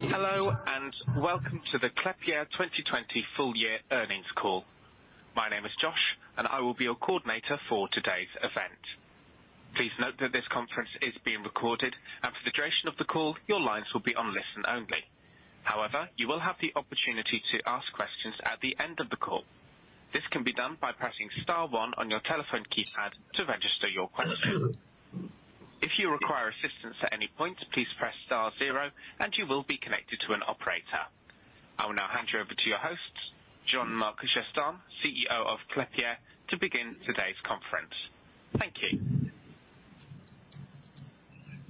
Hello, and welcome to the Klépierre 2020 full year earnings call. My name is Josh, and I will be your coordinator for today's event. Please note that this conference is being recorded and for the duration of the call, your lines will be on listen only. However, you will have the opportunity to ask questions at the end of the call. This can be done by pressing star one on your telephone keypad to register your question. If you require assistance at any point, please press star zero and you will be connected to an operator. I will now hand you over to your host, Jean-Marc Jestin, CEO of Klépierre, to begin today's conference. Thank you.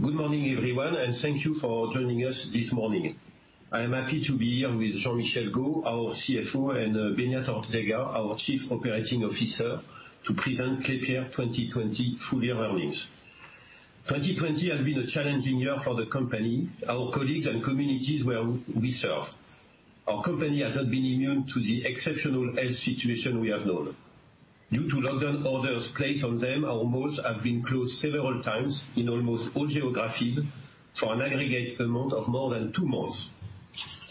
Good morning, everyone, and thank you for joining us this morning. I am happy to be here with Jean-Michel Gault, our CFO, and Beñat Ortega, our Chief Operating Officer, to present Klépierre 2020 full year earnings. 2020 has been a challenging year for the company, our colleagues and communities where we serve. Our company hasn't been immune to the exceptional health situation we have known. Due to lockdown orders placed on them, our malls have been closed several times in almost all geographies for an aggregate amount of more than two months.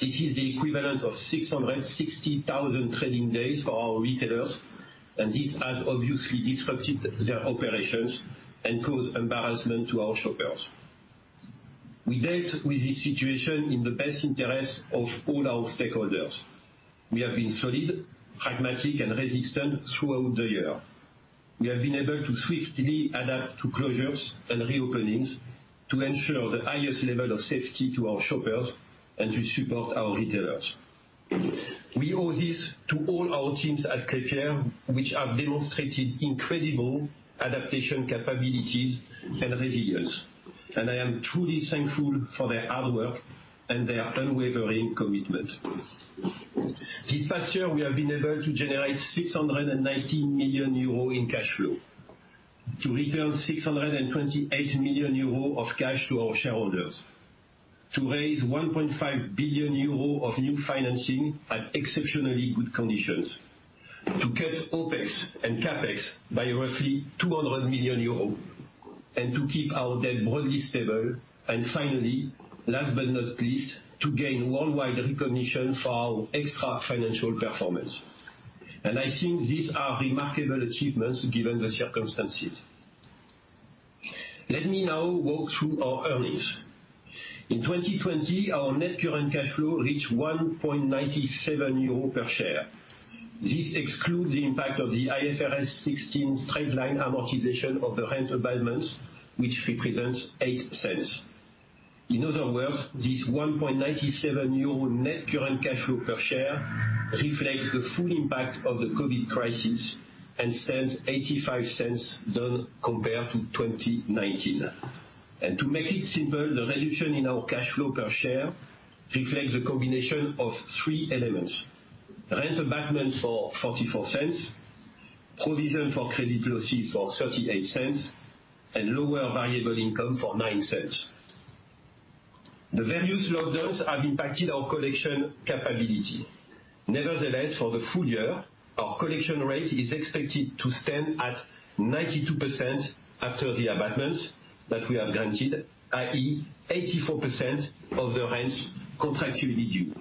This is the equivalent of 660,000 trading days for our retailers. This has obviously disrupted their operations and caused embarrassment to our shoppers. We dealt with this situation in the best interest of all our stakeholders. We have been solid, pragmatic and resistant throughout the year. We have been able to swiftly adapt to closures and re-openings to ensure the highest level of safety to our shoppers and to support our retailers. We owe this to all our teams at Klépierre, which have demonstrated incredible adaptation capabilities and resilience. I am truly thankful for their hard work and their unwavering commitment. This past year, we have been able to generate 690 million euro in cash flow, to return 628 million euro of cash to our shareholders, to raise 1.5 billion euro of new financing at exceptionally good conditions, to cut OpEx and CapEx by roughly 200 million euros and to keep our debt broadly stable, and finally, last but not least, to gain worldwide recognition for our extra financial performance. I think these are remarkable achievements given the circumstances. Let me now walk through our earnings. In 2020, our net current cash flow reached 1.97 euro per share. This excludes the impact of the IFRS 16 straight-line amortization of the rent abatements, which represents 0.08. In other words, this 1.97 euro net current cash flow per share reflects the full impact of the COVID crisis and stands 0.85 down compared to 2019. To make it simple, the reduction in our cash flow per share reflects a combination of three elements. Rent abatements for 0.44, provision for credit losses for 0.38, and lower variable income for 0.09. The various lockdowns have impacted our collection capability. Nevertheless, for the full year, our collection rate is expected to stand at 92% after the abatements that we have granted, i.e., 84% of the rents contractually due.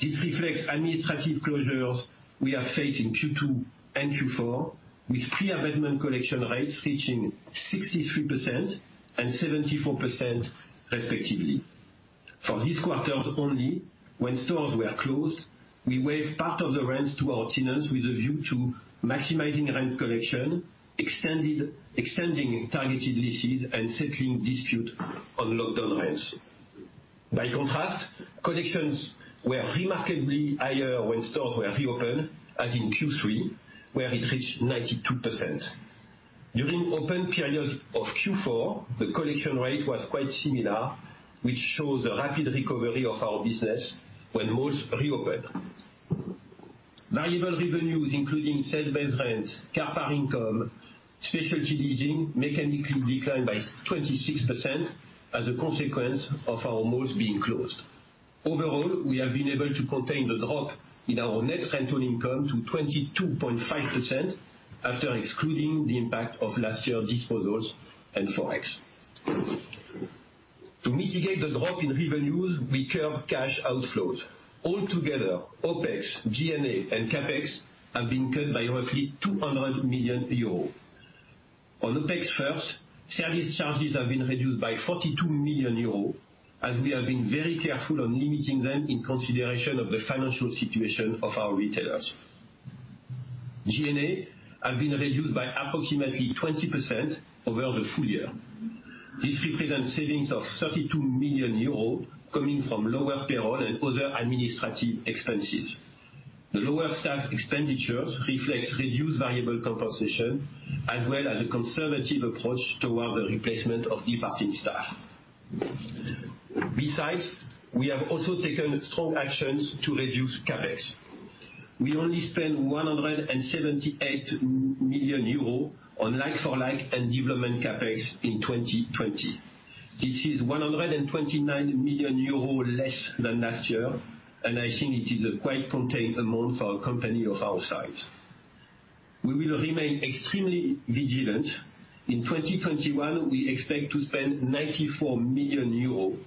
This reflects administrative closures we have faced in Q2 and Q4, with pre-abatement collection rates reaching 63% and 74% respectively. For these quarters only, when stores were closed, we waived part of the rents to our tenants with a view to maximizing rent collection, extending targeted leases, and settling disputes on lockdown rents. By contrast, collections were remarkably higher when stores were reopened, as in Q3, where it reached 92%. During open periods of Q4, the collection rate was quite similar, which shows a rapid recovery of our business when malls reopened. Variable revenues including sale-based rent, car park income, specialty leasing, mechanically declined by 26% as a consequence of our malls being closed. Overall, we have been able to contain the drop in our net rental income to 22.5% after excluding the impact of last year disposals and Forex. To mitigate the drop in revenues, we curbed cash outflows. Altogether, OpEx, G&A and CapEx have been cut by roughly 200 million euros. On OpEx first, service charges have been reduced by 42 million euros, as we have been very careful on limiting them in consideration of the financial situation of our retailers. G&A have been reduced by approximately 20% over the full year. This represents savings of 32 million euros coming from lower payroll and other administrative expenses. The lower staff expenditures reflects reduced variable compensation as well as a conservative approach towards the replacement of departed staff. Besides, we have also taken strong actions to reduce CapEx. We only spent 178 million euros on like for like and development CapEx in 2020. This is 129 million euros less than last year, and I think it is a quite contained amount for a company of our size. We will remain extremely vigilant. In 2021, we expect to spend 94 million euros.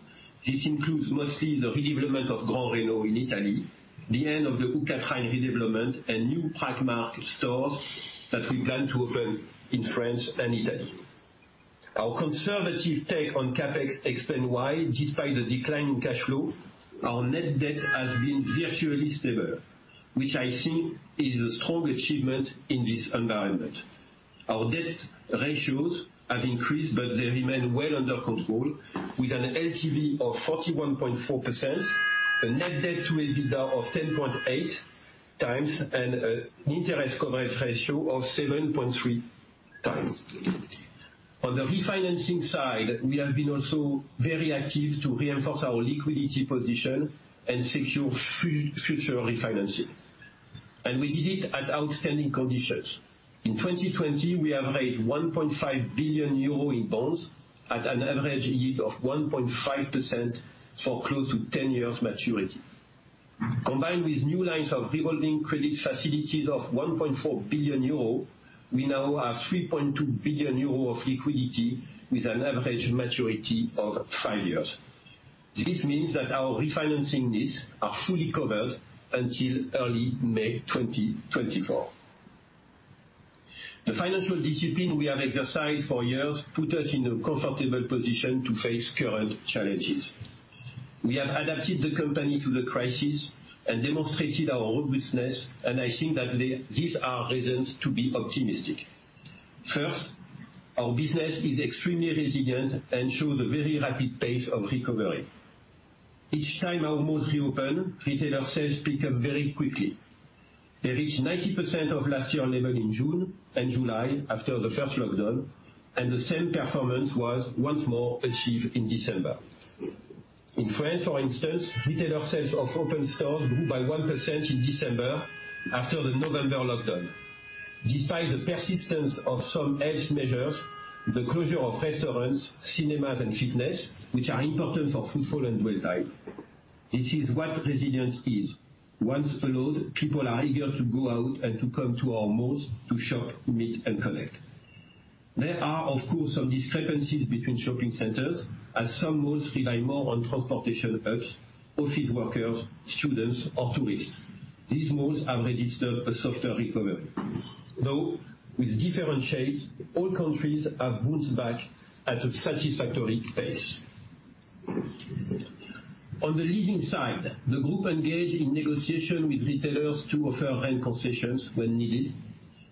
This includes mostly the redevelopment of Gran Reno in Italy, the end of the Ucata redevelopment, and new Primark stores that we plan to open in France and Italy. Our conservative take on CapEx explains why, despite the decline in cash flow, our net debt has been virtually stable, which I think is a strong achievement in this environment. Our debt ratios have increased, but they remain well under control, with an LTV of 41.4%, a net debt to EBITDA of 10.8x, and an interest coverage ratio of 7.3x. On the refinancing side, we have been also very active to reinforce our liquidity position and secure future refinancing, and we did it at outstanding conditions. In 2020, we have raised 1.5 billion euro in bonds at an average yield of 1.5% for close to 10 years maturity. Combined with new lines of revolving credit facilities of 1.4 billion euro, we now have 3.2 billion euro of liquidity with an average maturity of five years. This means that our refinancing needs are fully covered until early May 2024. The financial discipline we have exercised for years put us in a comfortable position to face current challenges. We have adapted the company to the crisis and demonstrated our robustness, and I think that these are reasons to be optimistic. First, our business is extremely resilient and shows a very rapid pace of recovery. Each time our malls reopen, retailer sales pick up very quickly. They reached 90% of last year level in June and July after the first lockdown, and the same performance was once more achieved in December. In France, for instance, retailer sales of open stores grew by 1% in December after the November lockdown. Despite the persistence of some health measures, the closure of restaurants, cinemas, and fitness, which are important for footfall and dwell time. This is what resilience is. Once allowed, people are eager to go out and to come to our malls to shop, meet, and connect. There are, of course, some discrepancies between shopping centers as some malls rely more on transportation hubs, office workers, students, or tourists. These malls have registered a softer recovery. Though, with different shades, all countries have bounced back at a satisfactory pace. On the leasing side, the group engaged in negotiation with retailers to offer rent concessions when needed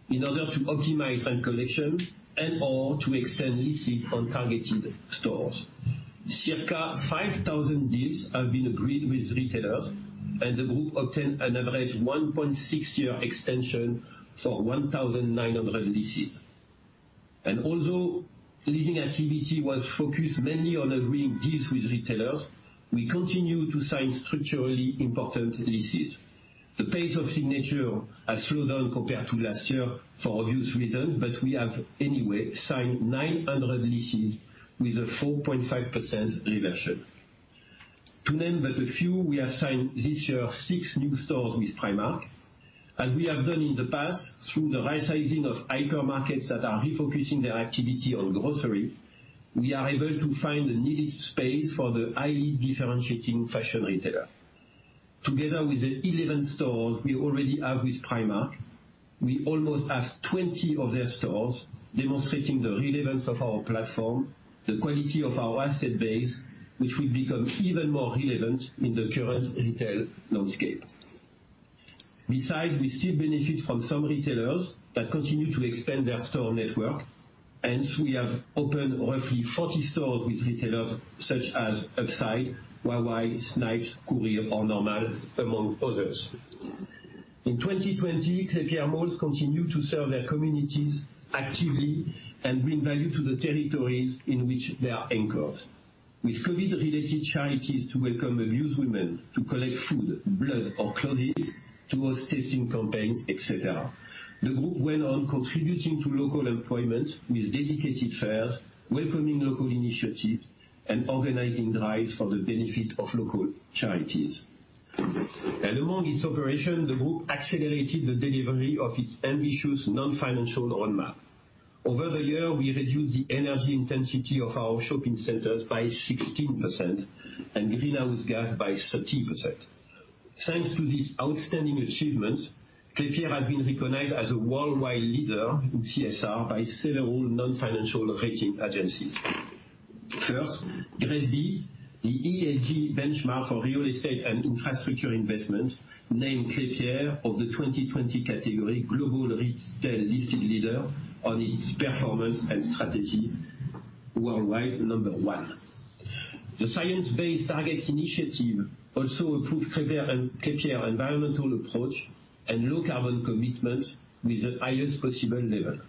in order to optimize rent collection and/or to extend leases on targeted stores. Circa 5,000 deals have been agreed with retailers, and the group obtained an average 1.6-year extension for 1,900 leases. Although leasing activity was focused mainly on agreeing deals with retailers, we continue to sign structurally important leases. The pace of signature has slowed down compared to last year for obvious reasons, but we have anyway signed 900 leases with a 4.5% reversion. To name but a few, we have signed this year six new stores with Primark. As we have done in the past, through the rightsizing of hypermarkets that are refocusing their activity on grocery, we are able to find the needed space for the highly differentiating fashion retailer. Together with the 11 stores we already have with Primark, we almost have 20 of their stores demonstrating the relevance of our platform, the quality of our asset base, which will become even more relevant in the current retail landscape. Besides, we still benefit from some retailers that continue to expand their store network. Hence, we have opened roughly 40 stores with retailers such as Inside, Huawei, Snipes, Courir, or Normal, among others. In 2020, Klépierre malls continued to serve their communities actively and bring value to the territories in which they are anchored. With COVID-related charities to welcome abused women, to collect food, blood, or clothing, towards testing campaigns, et cetera. The group went on contributing to local employment, with dedicated fairs, welcoming local initiatives, and organizing drives for the benefits of local charities. Among its operation, the group accelerated the delivery of its ambitious non-financial roadmap. Over the year, we reduced the energy intensity of our shopping centers by 16% and greenhouse gas by 30%. Thanks to these outstanding achievements, Klépierre has been recognized as a worldwide leader in CSR by several non-financial rating agencies. First, GRESB, the ESG benchmark for real estate and infrastructure investment, named Klépierre of the 2020 category Global Retail Listed Leader on its performance and strategy worldwide number one. The Science Based Targets initiative also approved Klépierre environmental approach and low carbon commitment with the highest possible level.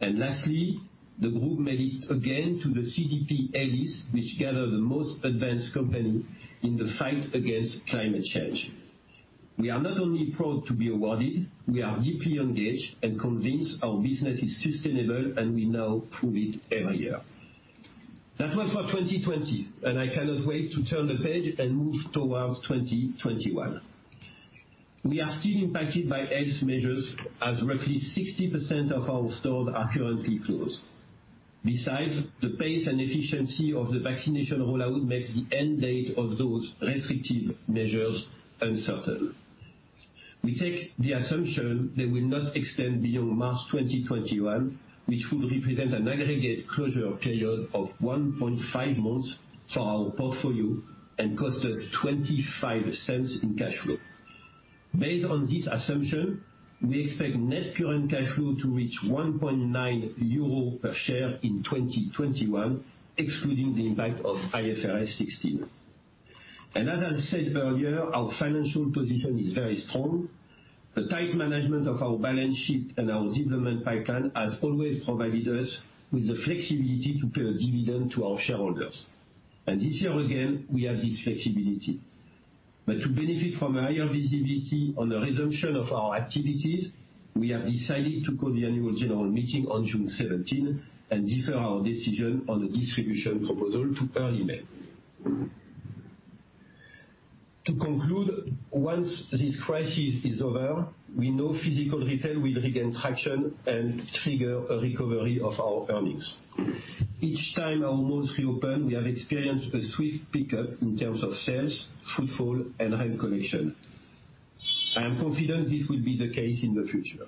Lastly, the group made it again to the CDP A List, which gather the most advanced company in the fight against climate change. We are not only proud to be awarded, we are deeply engaged and convinced our business is sustainable, and we now prove it every year. That was for 2020, I cannot wait to turn the page and move towards 2021. We are still impacted by health measures as roughly 60% of our stores are currently closed. Besides, the pace and efficiency of the vaccination rollout makes the end date of those restrictive measures uncertain. We take the assumption they will not extend beyond March 2021, which would represent an aggregate closure period of 1.5 months for our portfolio and cost us 0.25 in cash flow. Based on this assumption, we expect Net Current Cash Flow to reach 1.9 euro per share in 2021, excluding the impact of IFRS 16. As I said earlier, our financial position is very strong. The tight management of our balance sheet and our development pipeline has always provided us with the flexibility to pay a dividend to our shareholders. This year again, we have this flexibility. But to benefit from higher visibility on the resumption of our activities, we have decided to call the annual general meeting on June 17 and defer our decision on the distribution proposal to early May. To conclude, once this crisis is over, we know physical retail will regain traction and trigger a recovery of our earnings. Each time our malls reopen, we have experienced a swift pickup in terms of sales, footfall, and rent collection. I am confident this will be the case in the future.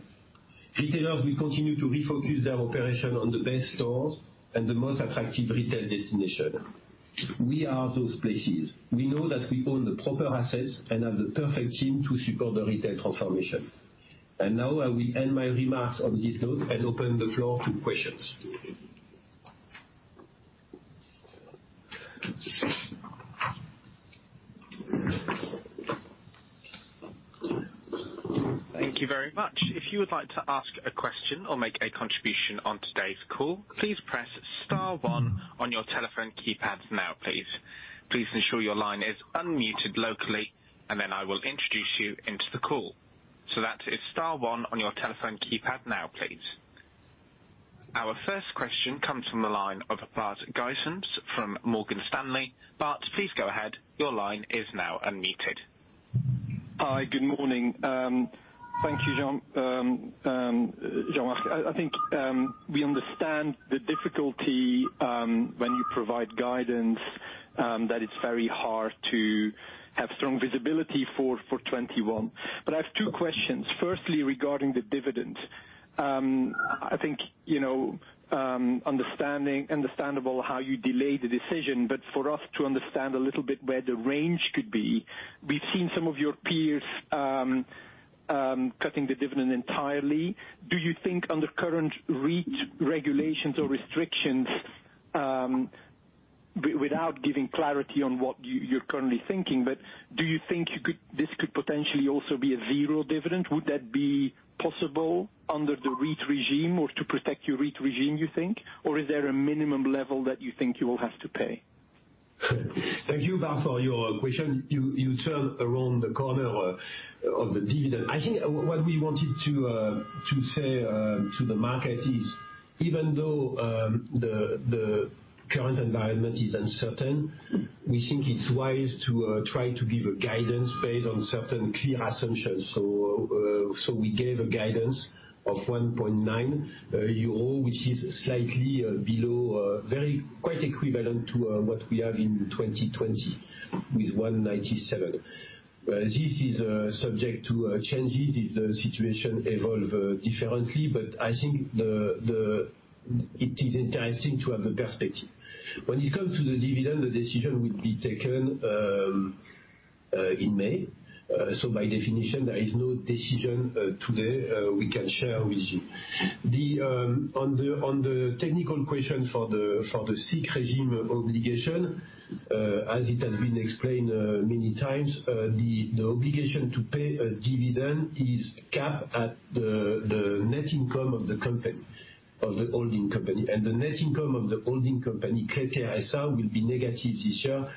Retailers will continue to refocus their operation on the best stores and the most attractive retail destination. We are those places. We know that we own the proper assets and have the perfect team to support the retail transformation. Now I will end my remarks on this note and open the floor to questions. Thank you very much. If you would like to ask a question or make a contribution on today's call, please press star one on your telephone keypads now, please. Please ensure your line is unmuted locally, and then I will introduce you into the call. That is star one on your telephone keypad now, please. Our first question comes from the line of Bart Gysens from Morgan Stanley. Bart, please go ahead. Your line is now unmuted. Hi. Good morning. Thank you, Jean. Jean, I think we understand the difficulty when you provide guidance that it's very hard to have strong visibility for 2021. I have two questions. Firstly, regarding the dividend. I think understandable how you delay the decision, but for us to understand a little bit where the range could be. We've seen some of your peers cutting the dividend entirely. Do you think under current REIT regulations or restrictions, without giving clarity on what you're currently thinking, but do you think this could potentially also be a zero dividend? Would that be possible under the REIT regime or to protect your REIT regime, you think? Is there a minimum level that you think you will have to pay? Thank you, Bart, for your question. You turn around the corner of the dividend. I think what we wanted to say to the market is, even though the current environment is uncertain, we think it's wise to try to give a guidance based on certain clear assumptions. We gave a guidance of 1.9 euro, which is slightly below, quite equivalent to what we have in 2020 with 1.97. This is subject to changes if the situation evolve differently, I think it is interesting to have the perspective. When it comes to the dividend, the decision will be taken in May. By definition, there is no decision today we can share with you. On the technical question for the SIIC regime obligation, as it has been explained many times, the obligation to pay a dividend is capped at the net income of the holding company. The net income of the holding company, Klépierre SA, will be negative this year,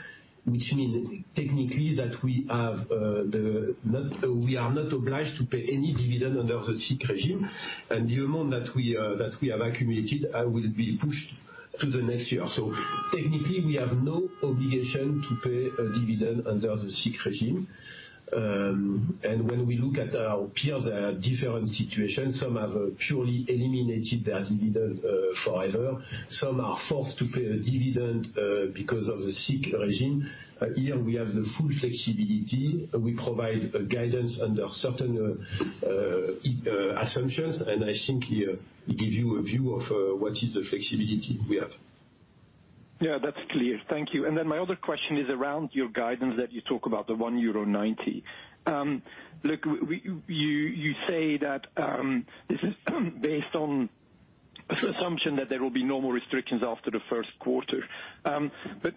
which means technically that we are not obliged to pay any dividend under the SIIC regime and the amount that we have accumulated will be pushed to the next year. Technically, we have no obligation to pay a dividend under the SIIC regime. When we look at our peers, there are different situations. Some have purely eliminated their dividend forever. Some are forced to pay a dividend because of the SIIC regime. Here we have the full flexibility. We provide a guidance under certain assumptions, I think we give you a view of what is the flexibility we have. Yeah that's clear. Thank you. My other question is around your guidance that you talk about, the 1.90 euro. Look, you say that this is based on assumption that there will be no more restrictions after the first quarter. But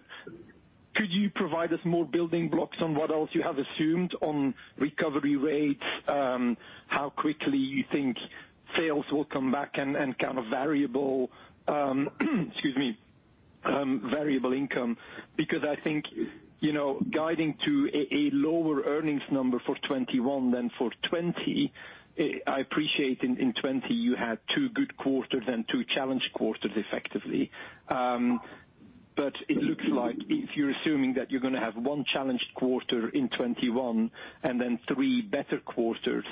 could you provide us more building blocks on what else you have assumed on recovery rates? How quickly you think sales will come back and kind of variable income? Because I think guiding to a lower earnings number for 2021 than for 2020, I appreciate in 2020 you had two good quarters and two challenged quarters effectively like if you're assuming that you're going to have one challenged quarter in 2021 and then three better quarters.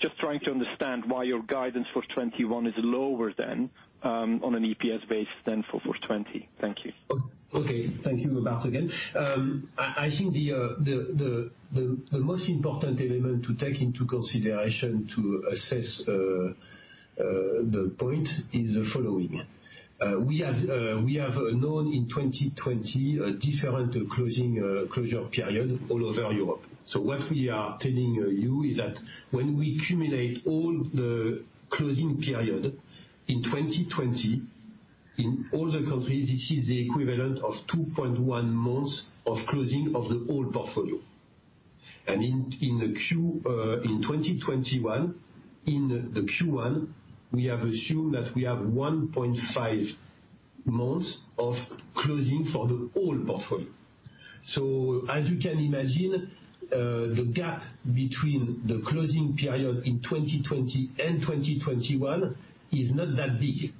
Just trying to understand why your guidance for 2021 is lower than on an EPS base than for 2020. Thank you. Okay. Thank you, Bart, again. I think the most important element to take into consideration to assess the point is the following. We have known in 2020 different closure period all over Europe. What we are telling you is that when we accumulate all the closing period in 2020, in all the countries, this is the equivalent of 2.1 months of closing of the whole portfolio. And in 2021, in the Q1, we have assumed that we have 1.5 months of closing for the whole portfolio. So, as you can imagine, the gap between the closing period in 2020 and 2021 is not that big.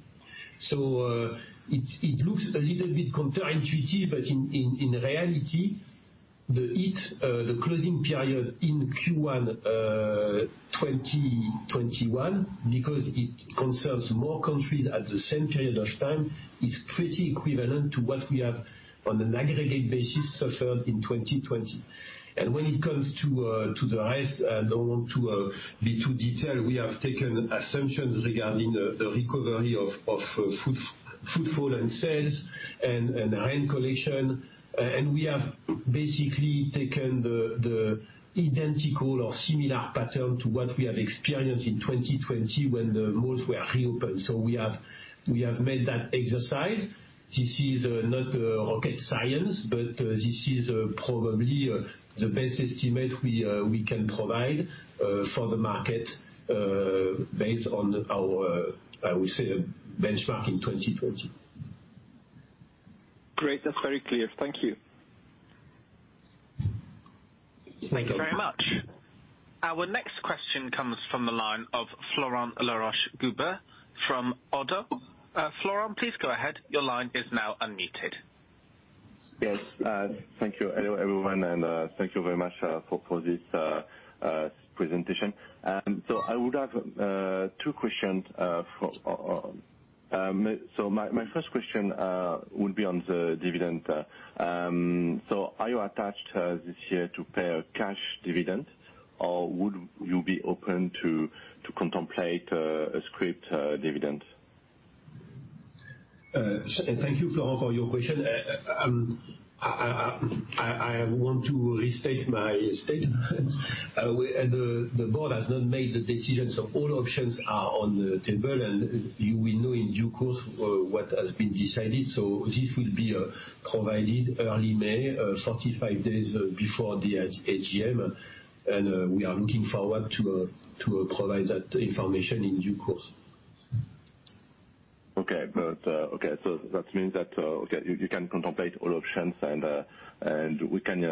It looks a little bit counterintuitive, but in reality, the closing period in Q1 2021, because it concerns more countries at the same period of time, is pretty equivalent to what we have on an aggregate basis suffered in 2020. When it comes to the rest, I don't want to be too detailed, we have taken assumptions regarding the recovery of footfall and sales and rent collection. We have basically taken the identical or similar pattern to what we have experienced in 2020 when the malls were reopened. We have made that exercise. This is not rocket science, but this is probably the best estimate we can provide for the market based on our, I would say, the benchmark in 2020. Great. That's very clear. Thank you. Thank you very much. Our next question comes from the line of Florent Laroche-Joubert from ODDO. Florent, please go ahead. Yes. Thank you everyone and thank you very much for this presentation. So, I would have two questions. My first question would be on the dividend. Are you attached this year to pay a cash dividend or would you be open to contemplate a scrip dividend? Thank you, Florent, for your question. I want to restate my statement. The board has not made the decision, all options are on the table, and you will know in due course what has been decided. This will be provided early May, 45 days before the AGM, and we are looking forward to provide that information in due course. Okay. That means that you can contemplate all options and we can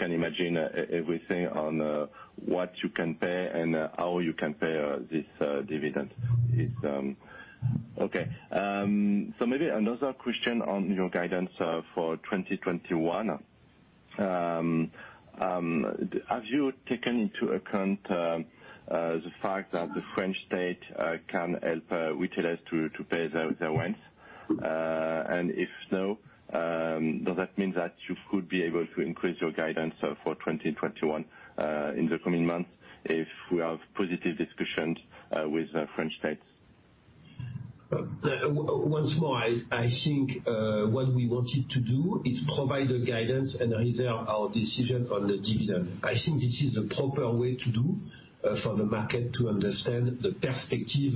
imagine everything on what you can pay and how you can pay this dividend. Okay. Maybe another question on your guidance for 2021. Have you taken into account the fact that the French state can help retailers to pay their rents? If so, does that mean that you could be able to increase your guidance for 2021 in the coming months if we have positive discussions with French state? Once more, I think what we wanted to do is provide the guidance and reserve our decision on the dividend. I think this is the proper way to do for the market to understand the perspective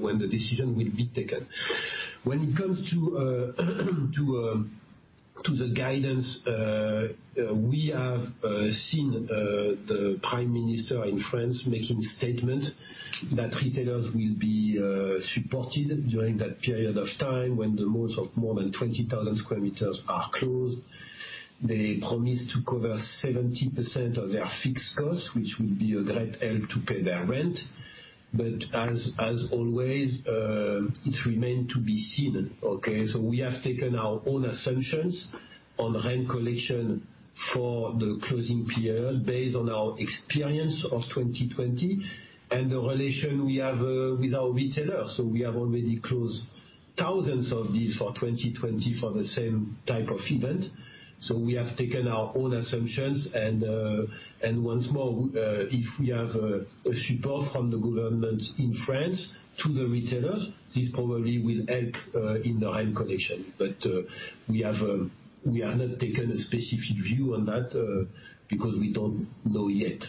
when the decision will be taken. When it comes to the guidance, we have seen the prime minister in France making statement that retailers will be supported during that period of time when the malls of more than 20,000 sq m are closed. They promised to cover 70% of their fixed costs, which will be a great help to pay their rent. As always, it remain to be seen, okay? We have taken our own assumptions on rent collection for the closing period based on our experience of 2020 and the relation we have with our retailers. We have already closed thousands of deals for 2020 for the same type of event. We have taken our own assumptions and, once more, if we have a support from the government in France to the retailers, this probably will help in the rent collection. We have not taken a specific view on that because we don't know yet.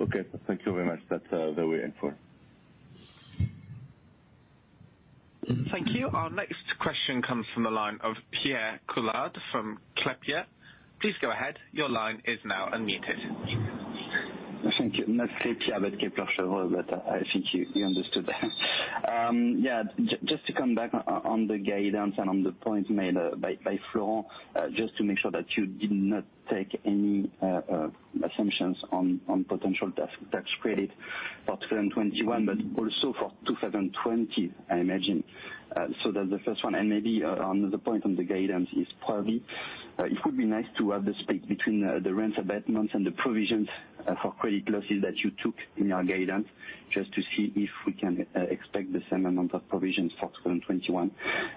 Okay. Thank you very much. That's all we aim for. Thank you. Our next question comes from the line of Pierre Clouard from Klépierre. Please go ahead. Your line is now unmuted. Thank you. Not Klépierre, but Kepler Cheuvreux, but I think you understood that. Yeah, just to come back on the guidance and on the points made by Florent, just to make sure that you did not take any assumptions on potential tax credit for 2021, but also for 2020, I imagine. That's the first one, and maybe on the point on the guidance is probably, it would be nice to have the split between the rents abatements and the provisions for credit losses that you took in your guidance, just to see if we can expect the same amount of provisions for 2021.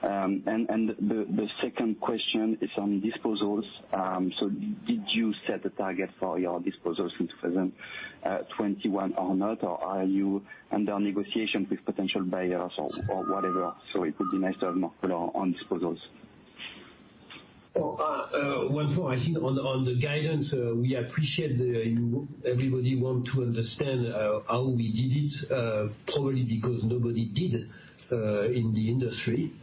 Then, the second question is on disposals. Did you set a target for your disposals in 2021 or not? Are you under negotiation with potential buyers or whatever? It would be nice to have more color on disposals. Well, once more, I think on the guidance, we appreciate everybody want to understand how we did it, probably because nobody did in the industry.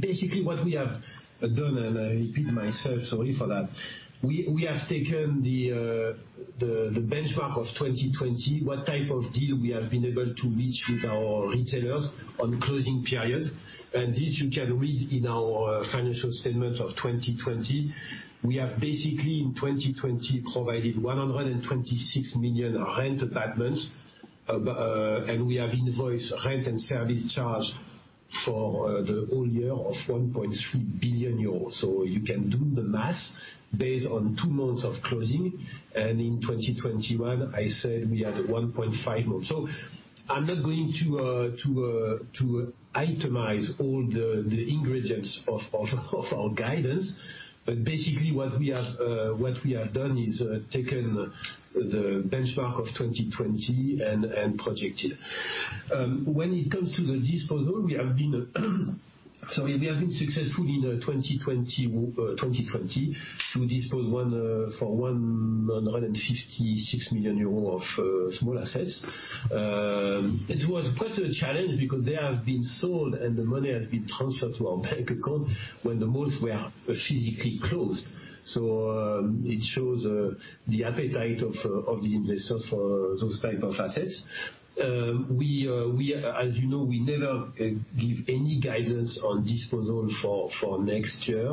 Basically what we have done, and I repeat myself, sorry for that, we have taken the benchmark of 2020, what type of deal we have been able to reach with our retailers on closing period, and this you can read in our financial statement of 2020. We have basically in 2020 provided 126 million rent abatements, and we have invoiced rent and service charge for the whole year of 1.3 billion euros. You can do the math based on two months of closing. In 2021, I said we had 1.5 months. I'm not going to itemize all the ingredients of our guidance. But basically what we have done is taken the benchmark of 2020 and projected. When it comes to the disposal, we have been successful in 2020. We disposed for 156 million euros of small assets. It was quite a challenge because they have been sold, and the money has been transferred to our bank account when the malls were physically closed. It shows the appetite of the investors for those type of assets. As you know, we never give any guidance on disposal for next year.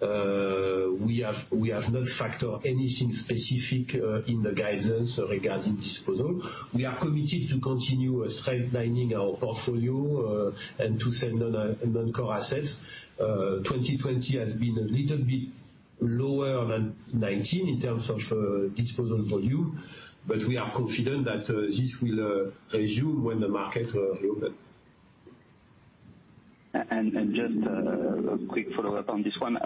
We have not factored anything specific in the guidance regarding disposal. We are committed to continue streamlining our portfolio, and to sell non-core assets. 2020 has been a little bit lower than 2019 in terms of disposal volume, but we are confident that this will resume when the market reopen. Just a quick follow-up on this one.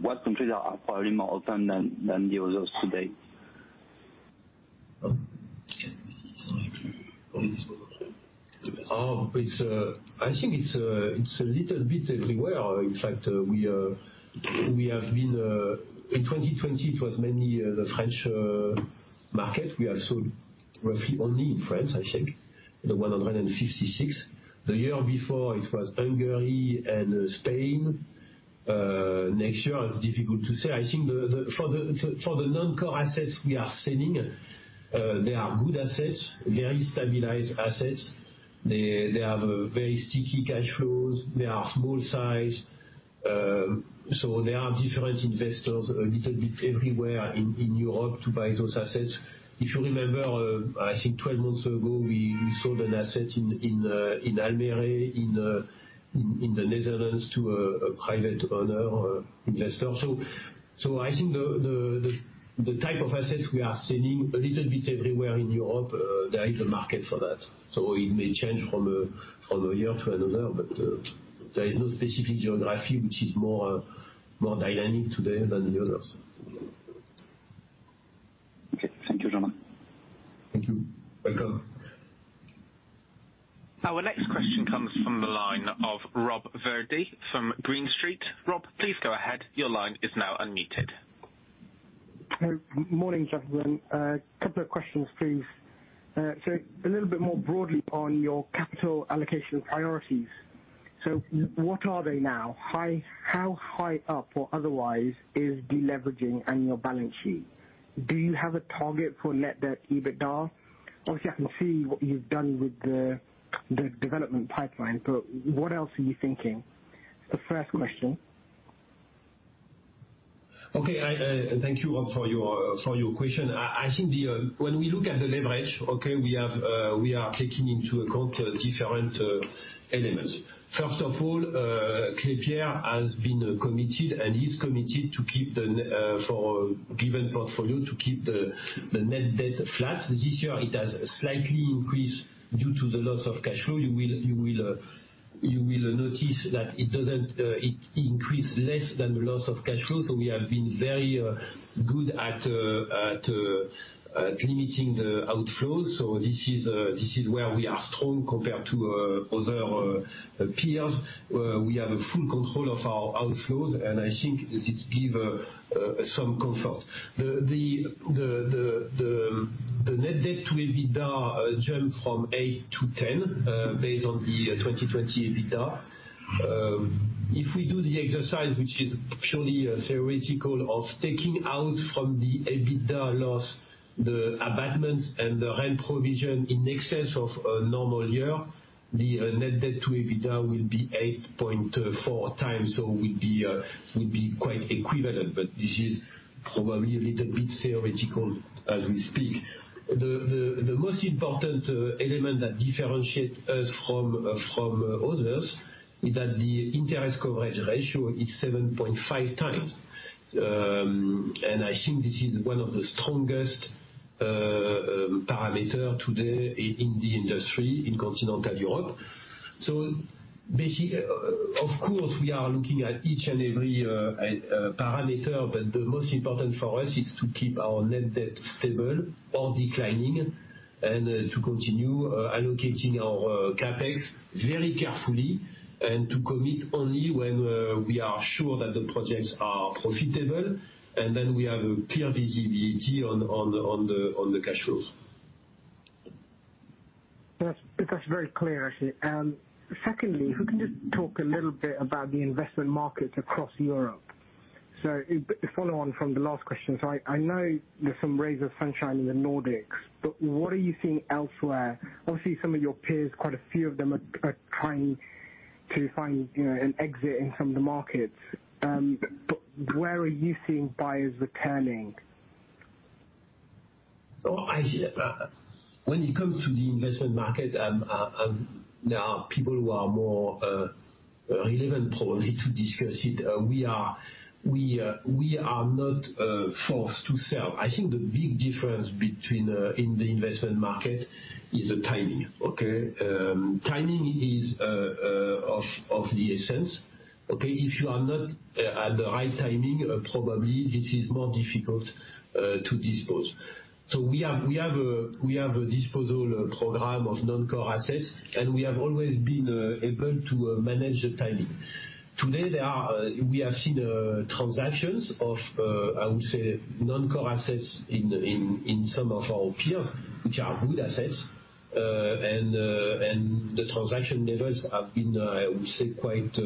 What countries are probably more open than the others today? Oh, I think it's a little bit everywhere. In fact, we have been, in 2020, it was mainly the French market. We have sold roughly only in France, I think, the 156. The year before it was Hungary and Spain. Next year is difficult to say. I think for the non-core assets we are selling, they are good assets, very stabilized assets. They have very sticky cash flows. They are small size. So, there are different investors a little bit everywhere in Europe to buy those assets. If you remember, I think 12 months ago, we sold an asset in Almere in the Netherlands to a private owner investor. I think the type of assets we are selling a little bit everywhere in Europe, there is a market for that. It may change from a year to another, but there is no specific geography which is more dynamic today than the others. Okay. Thank you, Jean-Marc. Thank you. Welcome. Our next question comes from the line of Rob Virdee from Green Street. Rob, please go ahead. Your line is now unmuted. Morning, gentlemen. A couple of questions, please. A little bit more broadly on your capital allocation priorities. So what are they now? How high up or otherwise is deleveraging and your balance sheet? Do you have a target for net debt EBITDA? Obviously, I can see what you've done with the development pipeline, what else are you thinking? It's the first question. Okay. Thank you, Rob, for your question. I think when we look at the leverage, we are taking into account different elements. First of all, Klépierre has been committed and is committed for a given portfolio to keep the net debt flat. This year it has slightly increased due to the loss of cash flow. You will notice that it increased less than the loss of cash flow. We have been very good at limiting the outflows. This is where we are strong compared to other peers. But we have a full control of our outflows, and I think this give some comfort. The net debt to EBITDA jumped from 8x to 10.8x, based on the 2020 EBITDA. If we do the exercise, which is purely theoretical, of taking out from the EBITDA loss the abatements and the rent provision in excess of a normal year, the net debt to EBITDA will be 8.4 times. Would be quite equivalent, but this is probably a little bit theoretical as we speak. The most important element that differentiates us from others is that the interest coverage ratio is 7.5 times. I think this is one of the strongest parameters today in the industry in continental Europe. Basically, of course, we are looking at each and every parameter, but the most important for us is to keep our net debt stable or declining, and to continue allocating our CapEx very carefully, and to commit only when we are sure that the projects are profitable, and then we have a clear visibility on the cash flows. That's very clear, actually. Secondly, if you can just talk a little bit about the investment markets across Europe. So, to follow on from the last question. I know there's some rays of sunshine in the Nordics, but what are you seeing elsewhere? Obviously, some of your peers, quite a few of them, are trying to find an exit in some of the markets. Where are you seeing buyers returning? When it comes to the investment market, there are people who are more relevant, probably, to discuss it. We are not forced to sell. I think the big difference in the investment market is the timing. Okay? Timing is, of the essence. Okay? If you are not at the right timing, probably this is more difficult to dispose. We have a disposal program of non-core assets, and we have always been able to manage the timing. Today, we have seen transactions of, I would say, non-core assets in some of our peers, which are good assets. The transaction levels have been, I would say, quite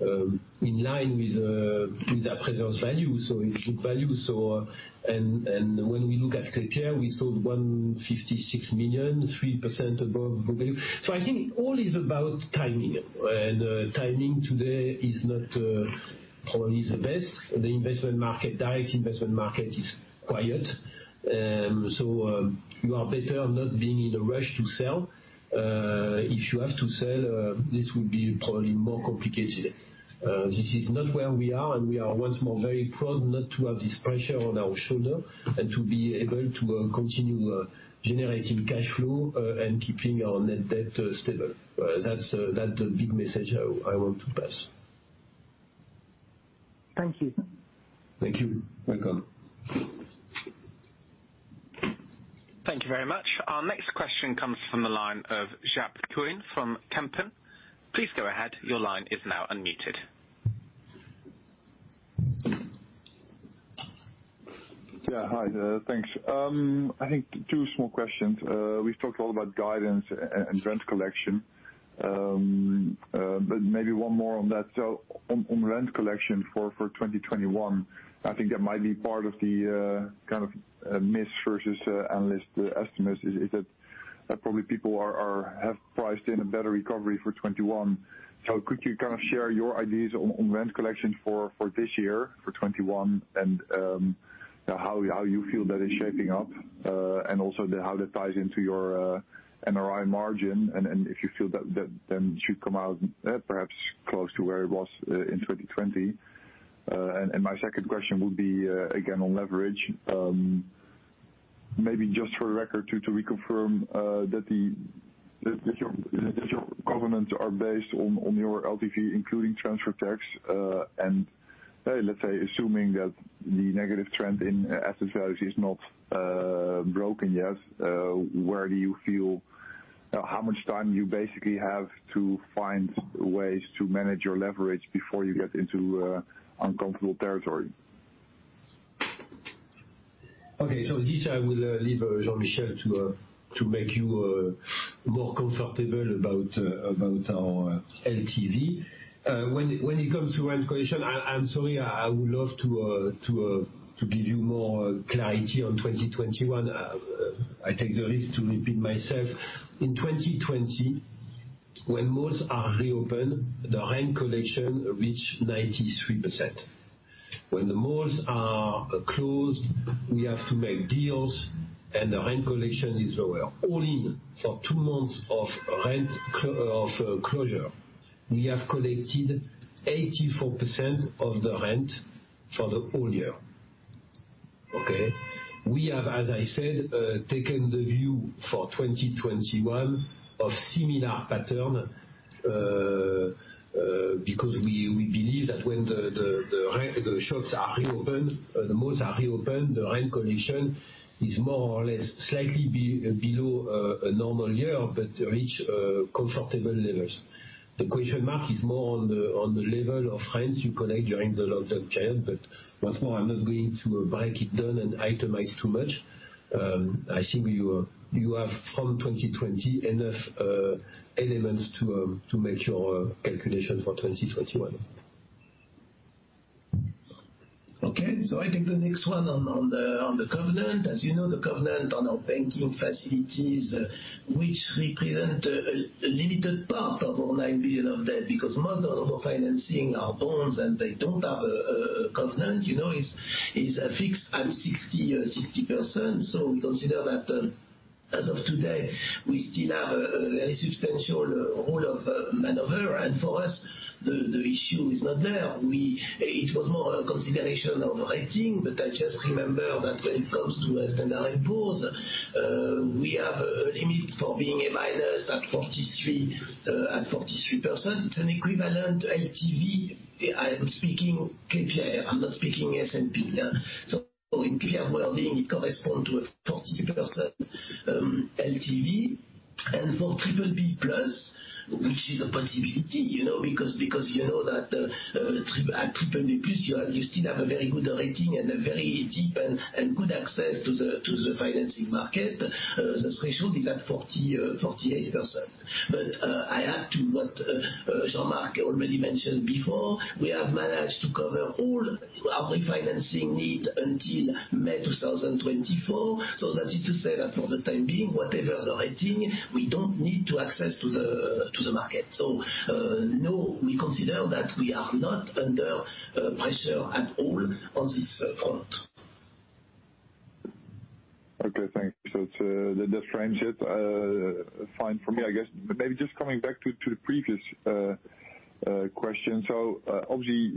in line with their present value. In value. When we look at Klépierre, we sold 156 million, 3% above book value. I think all is about timing, and timing today is not probably the best. The investment market, direct investment market is quiet. You are better not being in a rush to sell. If you have to sell, this will be probably more complicated. This is not where we are, and we are once more very proud not to have this pressure on our shoulder and to be able to continue generating cash flow and keeping our net debt stable. That's the big message I want to pass. Thank you. Thank you. Welcome. Thank you very much. Our next question comes from the line of Jaap Kuin from Kempen. Please go ahead your line is now unmuted. Yeah. Hi there. Thanks. I think two small questions. We've talked a lot about guidance and rent collection, but maybe one more on that. On rent collection for 2021, I think that might be part of the kind of miss versus analyst estimates, is that probably people have priced in a better recovery for 2021. Could you share your ideas on rent collection for this year, for 2021, and how you feel that is shaping up? Also how that ties into your NRI margin, and if you feel that should come out perhaps close to where it was in 2020? My second question would be, again, on leverage. Maybe just for record to reconfirm that your covenants are based on your LTV, including transfer tax. Let's say, assuming that the negative trend in asset values is not broken yet, how much time you basically have to find ways to manage your leverage before you get into uncomfortable territory? Okay. This, I will leave Jean-Michel to make you more comfortable about our LTV. When it comes to rent collection, I'm sorry, I would love to give you more clarity on 2021. I take the risk to repeat myself. In 2020, when malls are reopened, the rent collection reached 93%. When the malls are closed, we have to make deals, and the rent collection is lower. All in, for two months of closure, we have collected 84% of the rent for the whole year. Okay? We have, as I said, taken the view for 2021 of similar pattern, because we believe that when the shops are reopened, the malls are reopened, the rent collection is more or less slightly below a normal year, but reach comfortable levels. The question mark is more on the level of rents you collect during the lockdown, Jaap. Once more, I'm not going to break it down and itemize too much. I think you have, from 2020, enough elements to make your calculation for 2021. Okay. So, I take the next one on the covenant. As you know, the covenant on our banking facilities, which represent a limited part of our 9 billion of debt, because most of our financing are bonds, and they don't have a covenant. It's fixed at 60%. As of today, we still have a very substantial rule of maneuver, and for us, the issue is not there. It was more a consideration of rating, but I just remember that when it comes to a Standard & Poor's, we have a limit for being A- at 43%. It's an equivalent LTV. I'm speaking Klépierre, I'm not speaking S&P now. In clear wording, it corresponds to a 40% LTV, and for BBB+, which is a possibility, because you know that at BBB+, you still have a very good rating and a very deep and good access to the financing market. I add to what Jean-Marc already mentioned before. We have managed to cover all our refinancing needs until May 2024. That is to say that for the time being, whatever the rating, we don't need to access to the market. No, we consider that we are not under pressure at all on this front. Okay, thanks. That's fine for me, I guess. Maybe just coming back to the previous question. Obviously,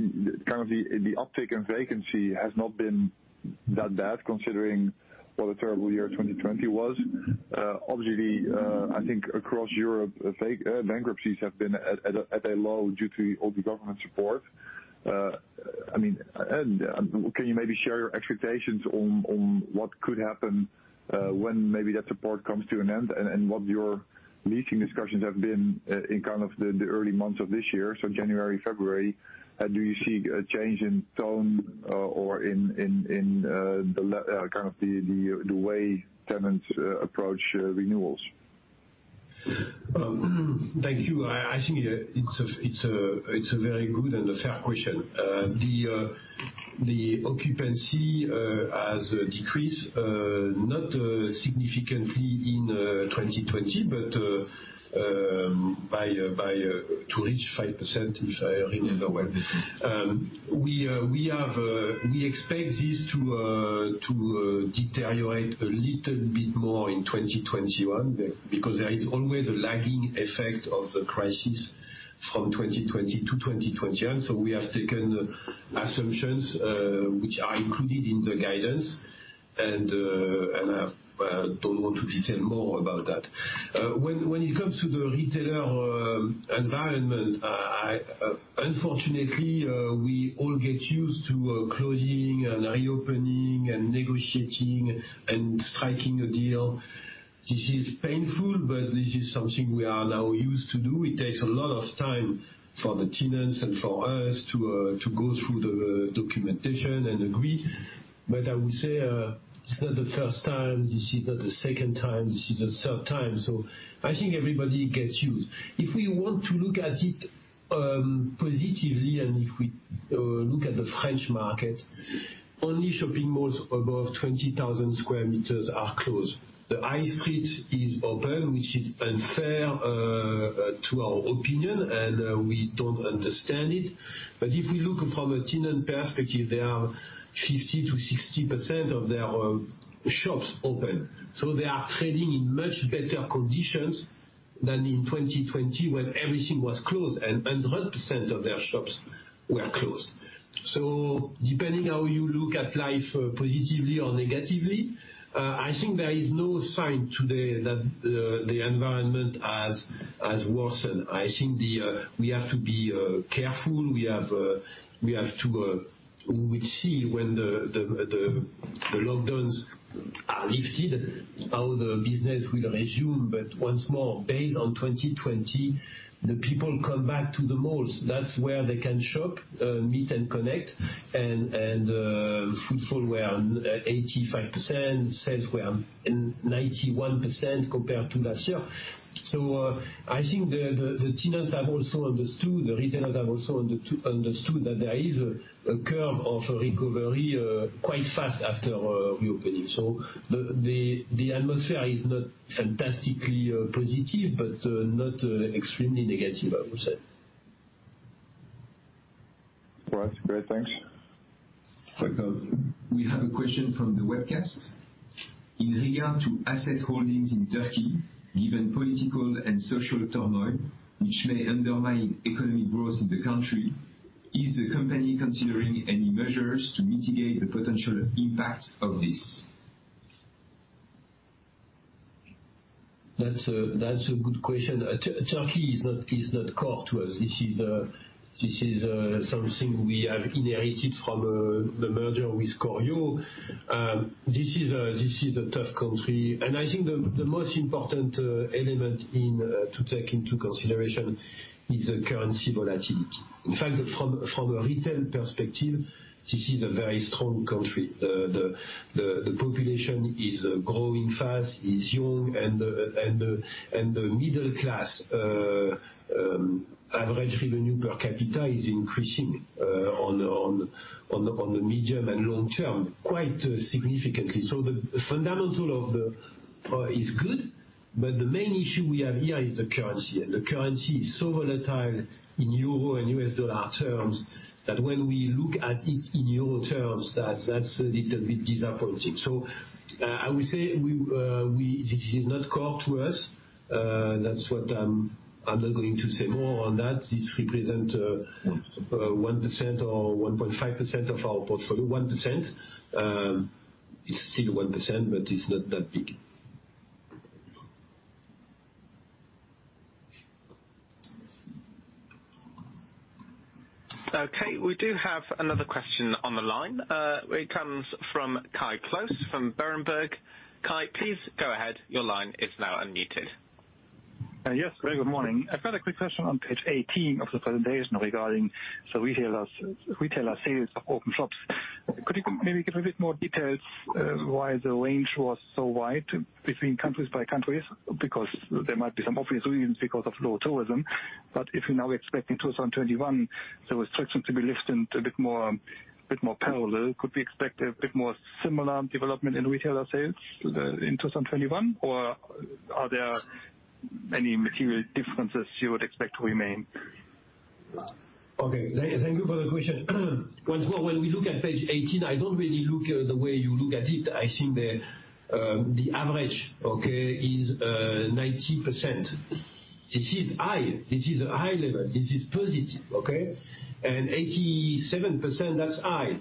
the uptick in vacancy has not been that bad considering what a terrible year 2020 was. Obviously, I think across Europe, bankruptcies have been at a low due to all the government support. I mean, can you maybe share your expectations on what could happen when maybe that support comes to an end, and what your leasing discussions have been in the early months of this year, so January, February? Do you see a change in tone or in the way tenants approach renewals? Thank you. I think it's a very good and a fair question. The occupancy has decreased, not significantly in 2020, but to reach 5%, if I remember well. We expect this to deteriorate a little bit more in 2021, because there is always a lagging effect of the crisis from 2020 to 2021. We have taken assumptions, which are included in the guidance, and I don't want to detail more about that. When it comes to the retailer environment, unfortunately, we all get used to closing and reopening and negotiating and striking a deal. This is painful, but this is something we are now used to do. It takes a lot of time for the tenants and for us to go through the documentation and agree. I would say this is not the first time, this is not the second time, this is the third time. So, I think everybody gets used. If we want to look at it positively, and if we look at the French market, only shopping malls above 20,000 sq m are closed. The high street is open, which is unfair to our opinion, and we don't understand it. If we look from a tenant perspective, there are 50%-60% of their shops open. They are trading in much better conditions than in 2020 when everything was closed and 100% of their shops were closed. Depending how you look at life positively or negatively, I think there is no sign today that the environment has worsened. I think we have to be careful. We have to see when the lockdowns are lifted, how the business will resume. But once more, based on 2020, the people come back to the malls. That's where they can shop, meet, and connect, footfall were on 85%, sales were on 91% compared to last year. I think the tenants have also understood, the retailers have also understood that there is a curve of recovery quite fast after reopening. The atmosphere is not fantastically positive, but not extremely negative, I would say. Right. Great. Thanks. Welcome. We have a question from the webcast. In regard to asset holdings in Turkey, given political and social turmoil, which may undermine economic growth in the country, is the company considering any measures to mitigate the potential impact of this? That's a good question. Turkey is not core to us. This is something we have inherited from the merger with Corio. This is a tough country. I think the most important element to take into consideration is the currency volatility. In fact, from a retail perspective, this is a very strong country. The population is growing fast, is young, and the middle class average revenue per capita is increasing on the medium and long term, quite significantly. The fundamental is good. But the main issue we have here is the currency. The currency is so volatile in EUR and USD terms that when we look at it in EUR terms, that's a little bit disappointing. I would say, this is not core to us. I'm not going to say more on that. This represent 1% or 1.5% of our portfolio, 1%. It's still 1%, but it's not that big. Okay. We do have another question on the line. It comes from Kai Klose from Berenberg. Kai, please go ahead. Your line is now unmuted. Yes. Very good morning. I've got a quick question on page 18 of the presentation regarding the retailer sales of open shops. Could you maybe give a bit more details why the range was so wide between countries by countries? There might be some obvious reasons because of low tourism, but if you're now expecting 2021, the restrictions to be lifted a bit more parallel, could we expect a bit more similar development in retailer sales in 2021? Or are there any material differences you would expect to remain? Okay. Thank you for the question. Once more, when we look at page 18, I don't really look at the way you look at it. I think the average is 90%. This is high. This is a high level. This is positive. Okay. 87%, that's high.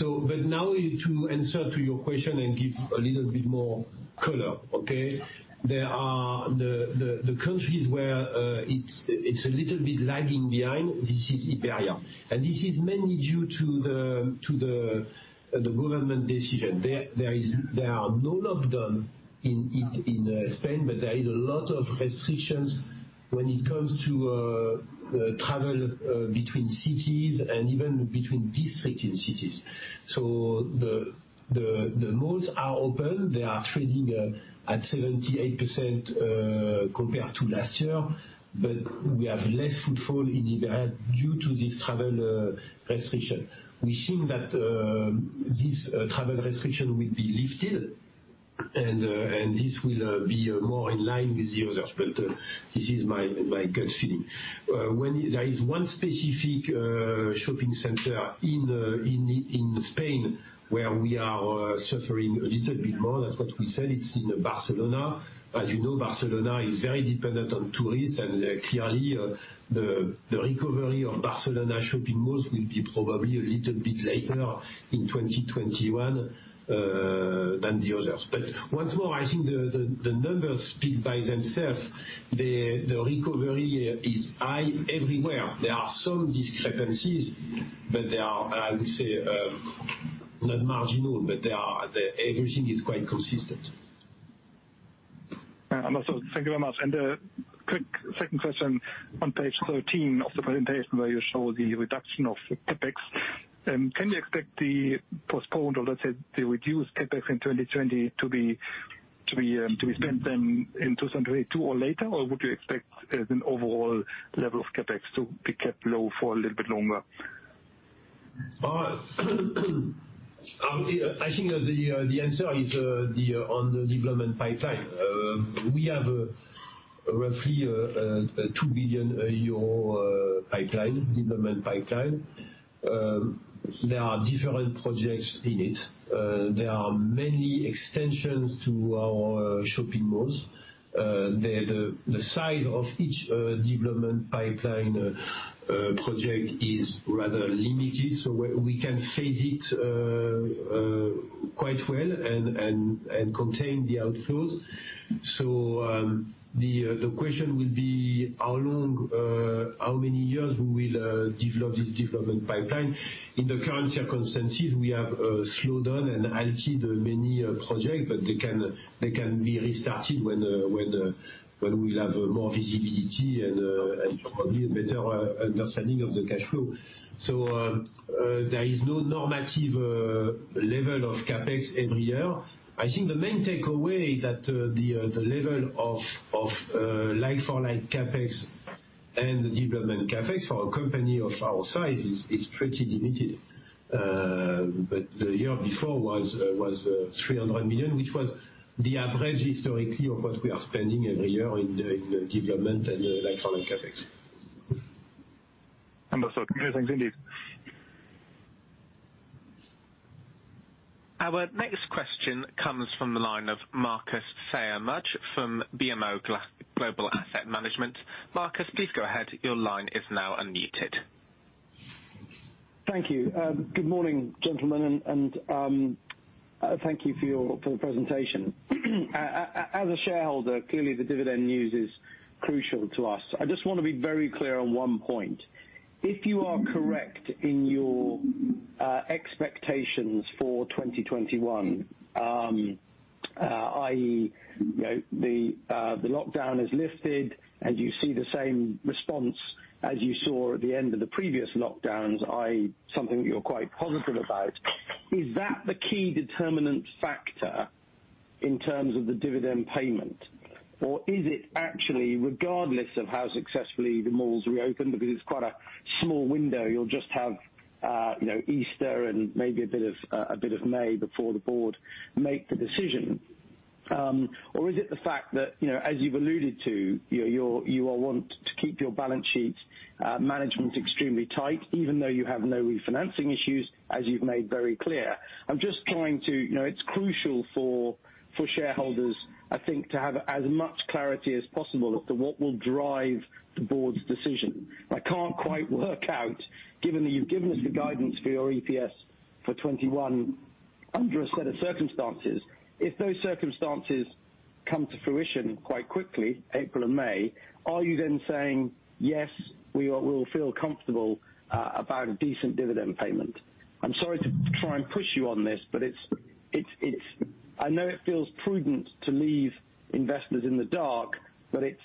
Now to answer to your question and give a little bit more color, okay. The countries where it's a little bit lagging behind, this is Iberia. This is mainly due to the government decision. There are no lockdown in Spain, but there is a lot of restrictions when it comes to travel between cities and even between district in cities. So, the malls are open. They are trading at 78% compared to last year, but we have less footfall in Iberia due to this travel restriction. We think that this travel restriction will be lifted and this will be more in line with the others, but this is my gut feeling. There is one specific shopping center in Spain where we are suffering a little bit more, that is what we said, it is in Barcelona. As you know, Barcelona is very dependent on tourists and clearly the recovery of Barcelona shopping malls will be probably a little bit later in 2021 than the others. Once more, I think the numbers speak by themselves. The recovery is high everywhere. There are some discrepancies, but they are, I would say, not marginal, but everything is quite consistent. Also, thank you very much. A quick second question on page 13 of the presentation where you show the reduction of CapEx. Can you expect the postponed, or let's say, the reduced CapEx in 2020 to be spent then in 2022 or later, or would you expect as an overall level of CapEx to be kept low for a little bit longer? I think the answer is on the development pipeline. We have roughly a EUR 2 billion development pipeline. There are different projects in it. There are many extensions to our shopping malls. The size of each development pipeline project is rather limited, so we can phase it quite well and contain the outflows. So, the question will be how many years we will develop this development pipeline. In the current circumstances, we have slowed down and halted many project, but they can be restarted when we have more visibility and probably a better understanding of the cash flow. There is no normative level of CapEx every year. I think the main takeaway that the level of like-for-like CapEx and the development CapEx for a company of our size is pretty limited. But the year before was 300 million, which was the average historically of what we are spending every year in the development and the like-for-like CapEx. That's all. Thank you. Thanks indeed. Our next question comes from the line of Marcus Phayre-Mudge from BMO Global Asset Management. Marcus, please go ahead. Thank you. Good morning, gentlemen, and thank you for the presentation. As a shareholder, clearly the dividend news is crucial to us. I just want to be very clear on one point. If you are correct in your expectations for 2021, i.e., the lockdown is lifted and you see the same response as you saw at the end of the previous lockdowns, i.e., something that you're quite positive about, is that the key determinant factor in terms of the dividend payment? Or is it actually regardless of how successfully the malls reopen because it's quite a small window, you'll just have Easter and maybe a bit of May before the board make the decision? Or is it the fact that, as you've alluded to, you all want to keep your balance sheet management extremely tight, even though you have no refinancing issues, as you've made very clear? It's crucial for shareholders, I think, to have as much clarity as possible as to what will drive the board's decision. I can't quite work out, given that you've given us the guidance for your EPS for 2021 under a set of circumstances, if those circumstances come to fruition quite quickly, April and May, are you then saying, "Yes, we'll feel comfortable about a decent dividend payment"? I'm sorry to try and push you on this, but I know it feels prudent to leave investors in the dark, but it's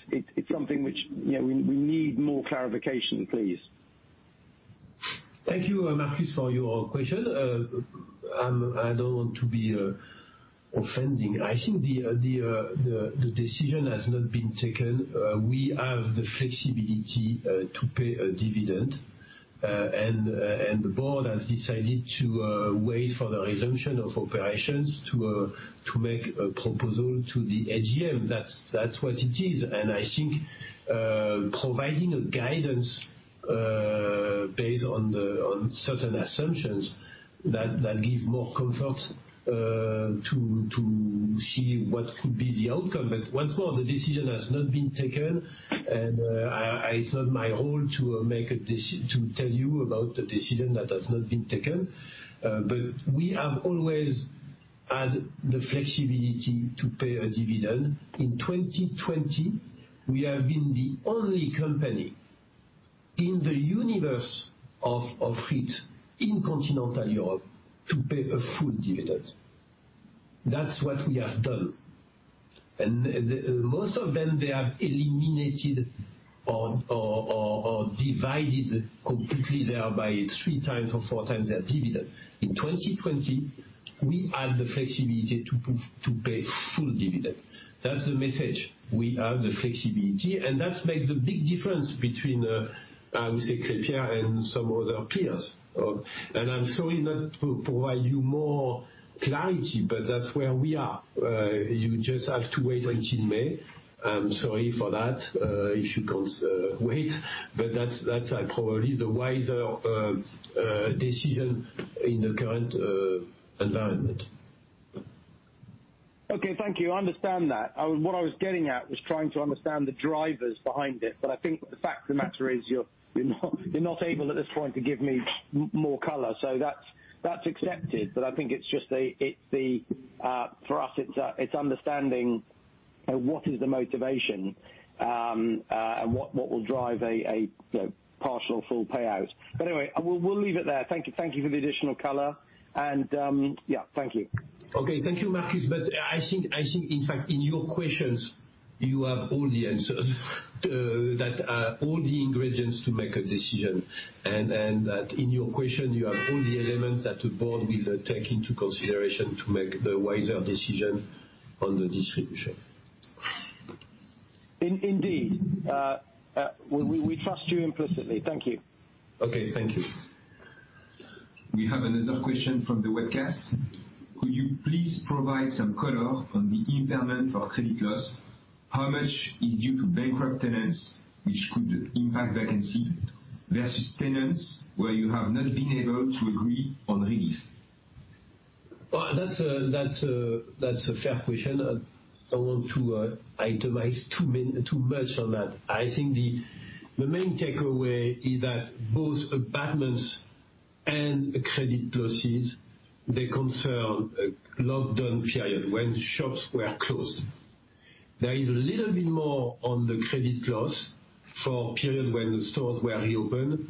something which we need more clarification, please. Thank you, Marcus, for your question. I don't want to be offending. I think the decision has not been taken. We have the flexibility to pay a dividend. The board has decided to wait for the resumption of operations to make a proposal to the AGM. That's what it is. I think providing a guidance based on certain assumptions that give more comfort to see what could be the outcome. Once more, the decision has not been taken, and it's not my role to tell you about a decision that has not been taken. But we have always had the flexibility to pay a dividend. In 2020, we have been the only company in the universe of REIT in continental Europe to pay a full dividend. That's what we have done. Most of them, they have eliminated or divided completely there by three times or four times their dividend. In 2020, we had the flexibility to pay full dividend. That's the message. We have the flexibility, and that makes a big difference between, I would say, Klépierre and some other peers. I'm sorry not to provide you more clarity, but that's where we are. You just have to wait until May. I'm sorry for that, if you can't wait, but that's probably the wiser decision in the current environment. Okay, thank you. I understand that. What I was getting at was trying to understand the drivers behind it, but I think the fact of the matter is you're not able at this point to give me more color. That's accepted, but I think for us, it's understanding what is the motivation, and what will drive a partial or full payout. Anyway, we'll leave it there. Thank you for the additional color. Thank you. Okay. Thank you, Marcus. I think, in fact, in your questions, you have all the answers, all the ingredients to make a decision, and that in your question, you have all the elements that the board will take into consideration to make the wiser decision on the distribution. Indeed. We trust you implicitly. Thank you. Okay. Thank you. We have another question from the webcast. Could you please provide some color on the impairment for credit loss? How much is due to bankrupt tenants, which could impact vacancy versus tenants where you have not been able to agree on relief? Well, that's a fair question, and I don't want to itemize too much on that. I think the main takeaway is that both abatements and credit losses, they concern lockdown period when shops were closed. There is a little bit more on the credit loss for period when the stores were reopened,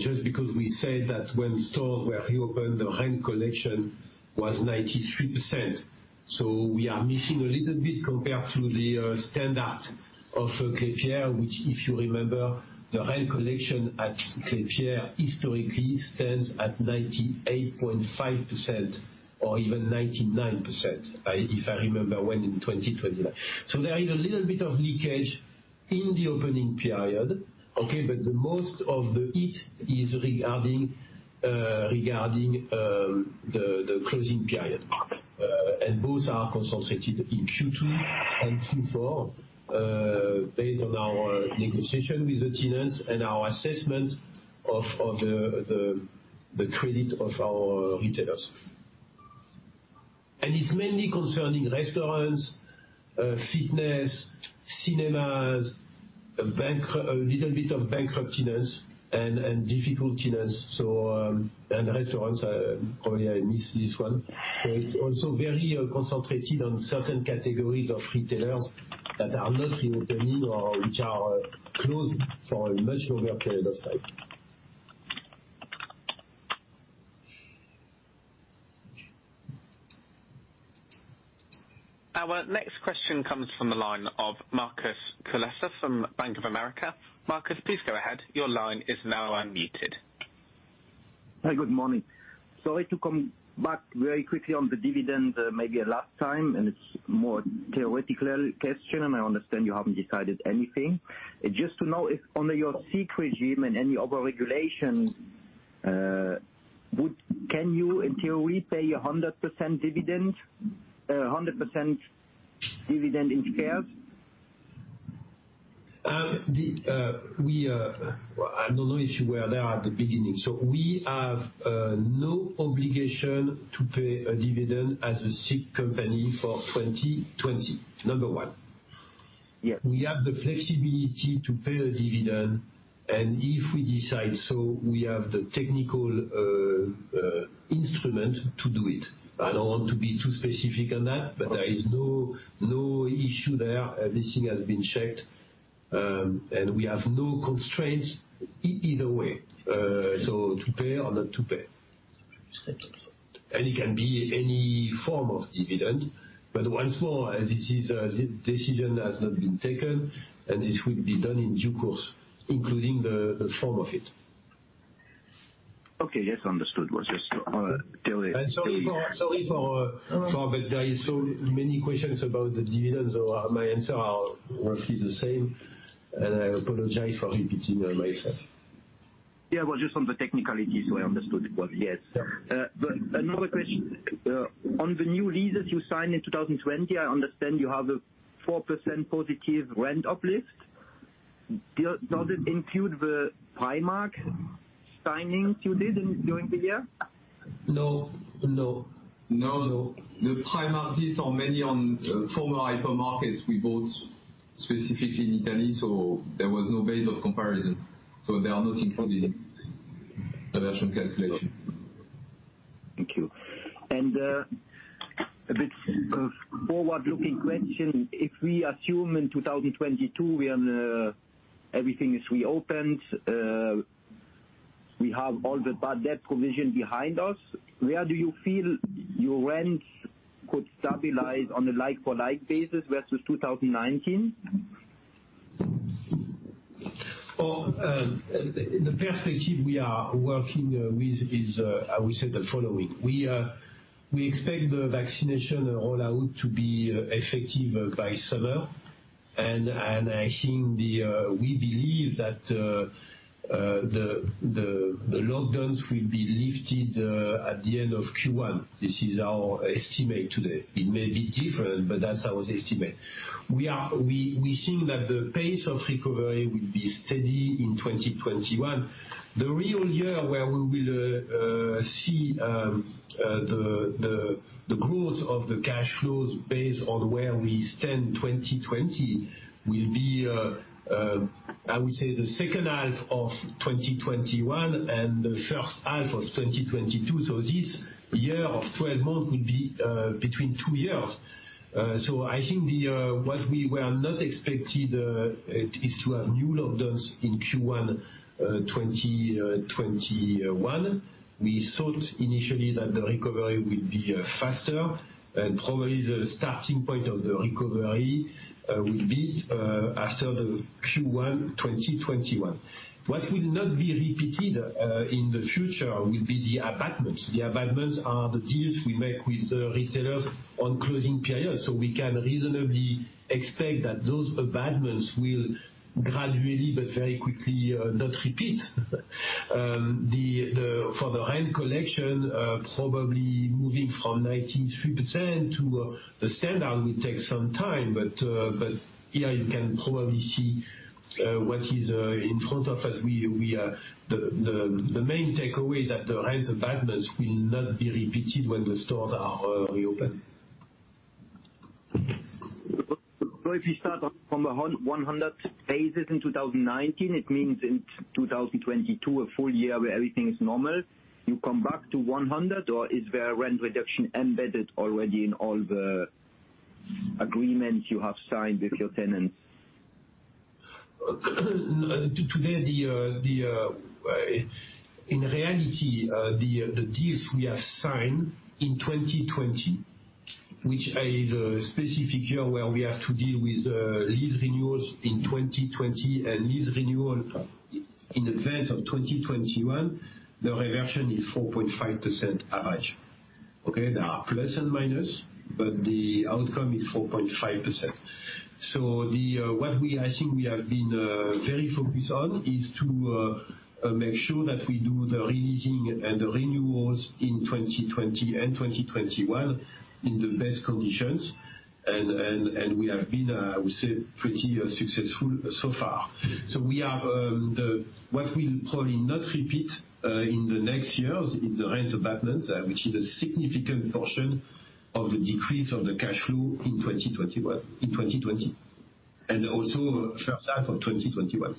just because we said that when stores were reopened, the rent collection was 93%. So, we are missing a little bit compared to the standard of Klépierre, which if you remember, the rent collection at Klépierre historically stands at 98.5% or even 99%, if I remember well in 2021. There is a little bit of leakage in the opening period, okay? The most of the hit is regarding the closing period. Both are concentrated in Q2 and Q4, based on our negotiation with the tenants and our assessment of the credit of our retailers. It's mainly concerning restaurants, fitness, cinemas, a little bit of bankrupt tenants and difficult tenants. Restaurants, probably I missed this one. It's also very concentrated on certain categories of retailers that are not reopening or which are closed for a much longer period of time. Our next question comes from the line of Markus Kulessa from Bank of America. Marcus, please go ahead. Your line is now unmuted. Hi, good morning. Sorry to come back very quickly on the dividend, maybe a last time, and it's more theoretical question, and I understand you haven't decided anything. Just to know if under your SIIC regime and any other regulations can you in theory pay 100% dividend in shares? I don't know if you were there at the beginning. We have no obligation to pay a dividend as a SIIC company for 2020, number one. Yes. We have the flexibility to pay a dividend, and if we decide so, we have the technical instrument to do it. I don't want to be too specific on that, but there is no issue there. Everything has been checked. We have no constraints either way, so to pay or not to pay. It can be any form of dividend. But once more, as this decision has not been taken, and this will be done in due course, including the form of it. Okay. Yes, understood. Sorry. [inaudible] There is so many questions about the dividends, so my answer are roughly the same, and I apologize for repeating myself. Yeah. Well, just on the technicalities, so I understood. Well, yes. Another question. On the new leases you signed in 2020, I understand you have a 4%+ rent uplift. Does it include the Primark signings you did during the year? No. The Primark deals are mainly on former hypermarkets we bought specifically in Italy, so there was no base of comparison. They are not included in the reversion calculation. Thank you. A bit of forward-looking question. If we assume in 2022 everything is reopened, we have all the bad debt provision behind us, where do you feel your rents could stabilize on a like-for-like basis versus 2019? The perspective we are working with is, I would say the following. We expect the vaccination rollout to be effective by summer. We believe that the lockdowns will be lifted at the end of Q1. This is our estimate today. It may be different. But that's our estimate. We think that the pace of recovery will be steady in 2021. The real year where we will see the growth of the cash flows based on where we stand 2020 will be, I would say, the second half of 2021 and the first half of 2022. This year of 12 months will be between two years. I think what we were not expecting is to have new lockdowns in Q1 2021. We thought initially that the recovery would be faster. Probably the starting point of the recovery will be after the Q1 2021. What will not be repeated in the future will be the abatements. The abatements are the deals we make with retailers on closing periods. We can reasonably expect that those abatements will gradually but very quickly not repeat. For the rent collection, probably moving from 19% to the standard will take some time. Here you can probably see what is in front of us. The main takeaway is that the rent abatements will not be repeated when the stores are reopened. If you start from 100 basis in 2019, it means in 2022, a full year where everything is normal, you come back to 100 basis, or is there a rent reduction embedded already in all the agreements you have signed with your tenants? Today, in reality, the deals we have signed in 2020, which is a specific year where we have to deal with lease renewals in 2020 and lease renewal in advance of 2021, the reversion is 4.5% average. Okay. There are plus and minus, but the outcome is 4.5%. What I think we have been very focused on is to make sure that we do the re-leasing and the renewals in 2020 and 2021 in the best conditions. We have been, I would say, pretty successful so far. What we'll probably not repeat in the next years is the rent abatements, which is a significant portion of the decrease of the cash flow in 2020, and also first half of 2021.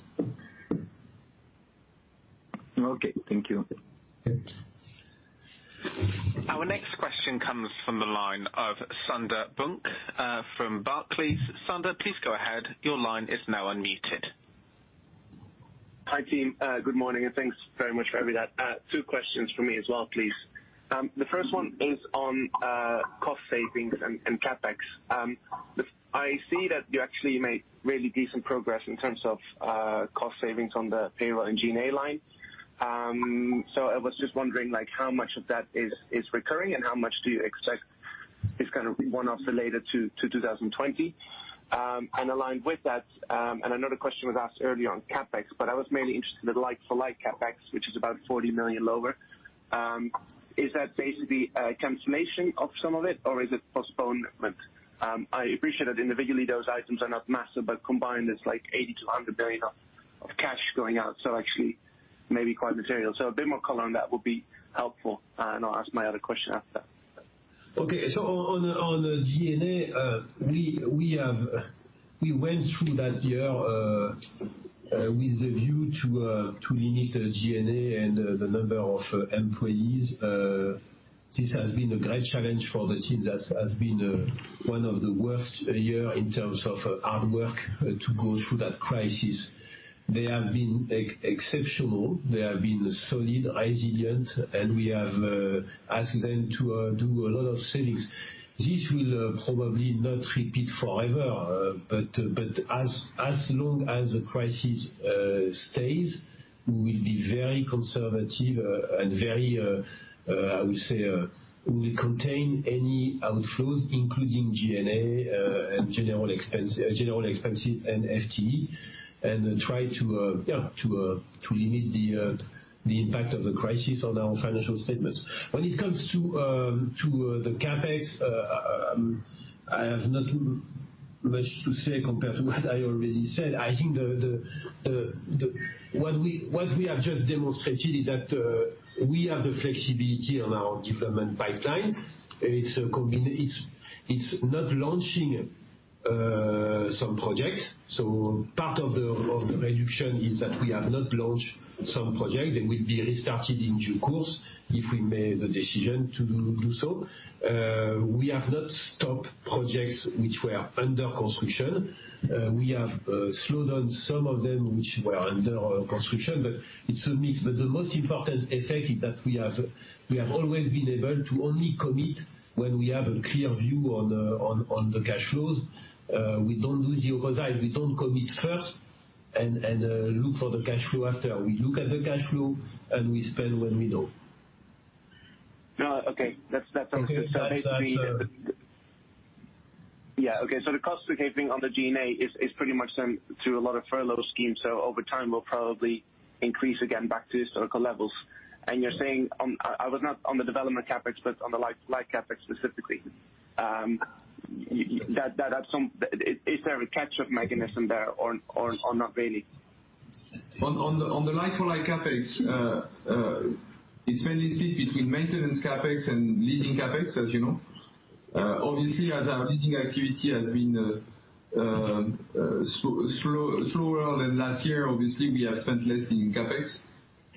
Okay. Thank you. Yep. Our next question comes from the line of Sander Bunck from Barclays. Sander, please go ahead. Hi, team. Good morning, and thanks very much for having me. Two questions from me as well, please. The first one is on cost savings and CapEx. I see that you actually made really decent progress in terms of cost savings on the payroll and G&A line. I was just wondering how much of that is recurring and how much do you expect is kind of one-off related to 2020. Aligned with that, another question was asked earlier on CapEx, but I was mainly interested in like-for-like CapEx, which is about 40 million lower. Is that basically a cancellation of some of it or is it postponement? I appreciate that individually those items are not massive, but combined it's like 80 million-100 million of cash going out, actually maybe quite material. A bit more color on that would be helpful. I'll ask my other question after. On G&A, we went through that year with the view to limit G&A and the number of employees. This has been a great challenge for the team. That has been one of the worst years in terms of hard work to go through that crisis. They have been exceptional. They have been solid, resilient, and we have asked them to do a lot of savings. This will probably not repeat forever. But as long as the crisis stays, we will be very conservative and very, I would say, we'll contain any outflows, including G&A and general expenses, and FTE, and try to limit the impact of the crisis on our financial statements. When it comes to the CapEx, I have not much to say compared to what I already said. I think what we have just demonstrated is that we have the flexibility on our development pipeline. It's not launching some projects. Part of the reduction is that we have not launched some projects that will be restarted in due course if we made the decision to do so. We have not stopped projects which were under construction. We have slowed down some of them which were under construction, the most important effect is that we have always been able to only commit when we have a clear view on the cash flows. We don't do the opposite. We don't commit first and look for the cash flow after. We look at the cash flow, we spend when we know. No. Okay. That's okay. Okay. Yeah. Okay, the cost saving on the G&A is pretty much then through a lot of furlough schemes. Over time, will probably increase again back to historical levels. You're saying, I was not on the development CapEx, but on the like-for-like CapEx specifically. Is there a catch-up mechanism there or not really? On the like-for-like CapEx, it's mainly split between maintenance CapEx and leasing CapEx, as you know. Obviously, as our leasing activity has been slower than last year, obviously, we have spent less in CapEx.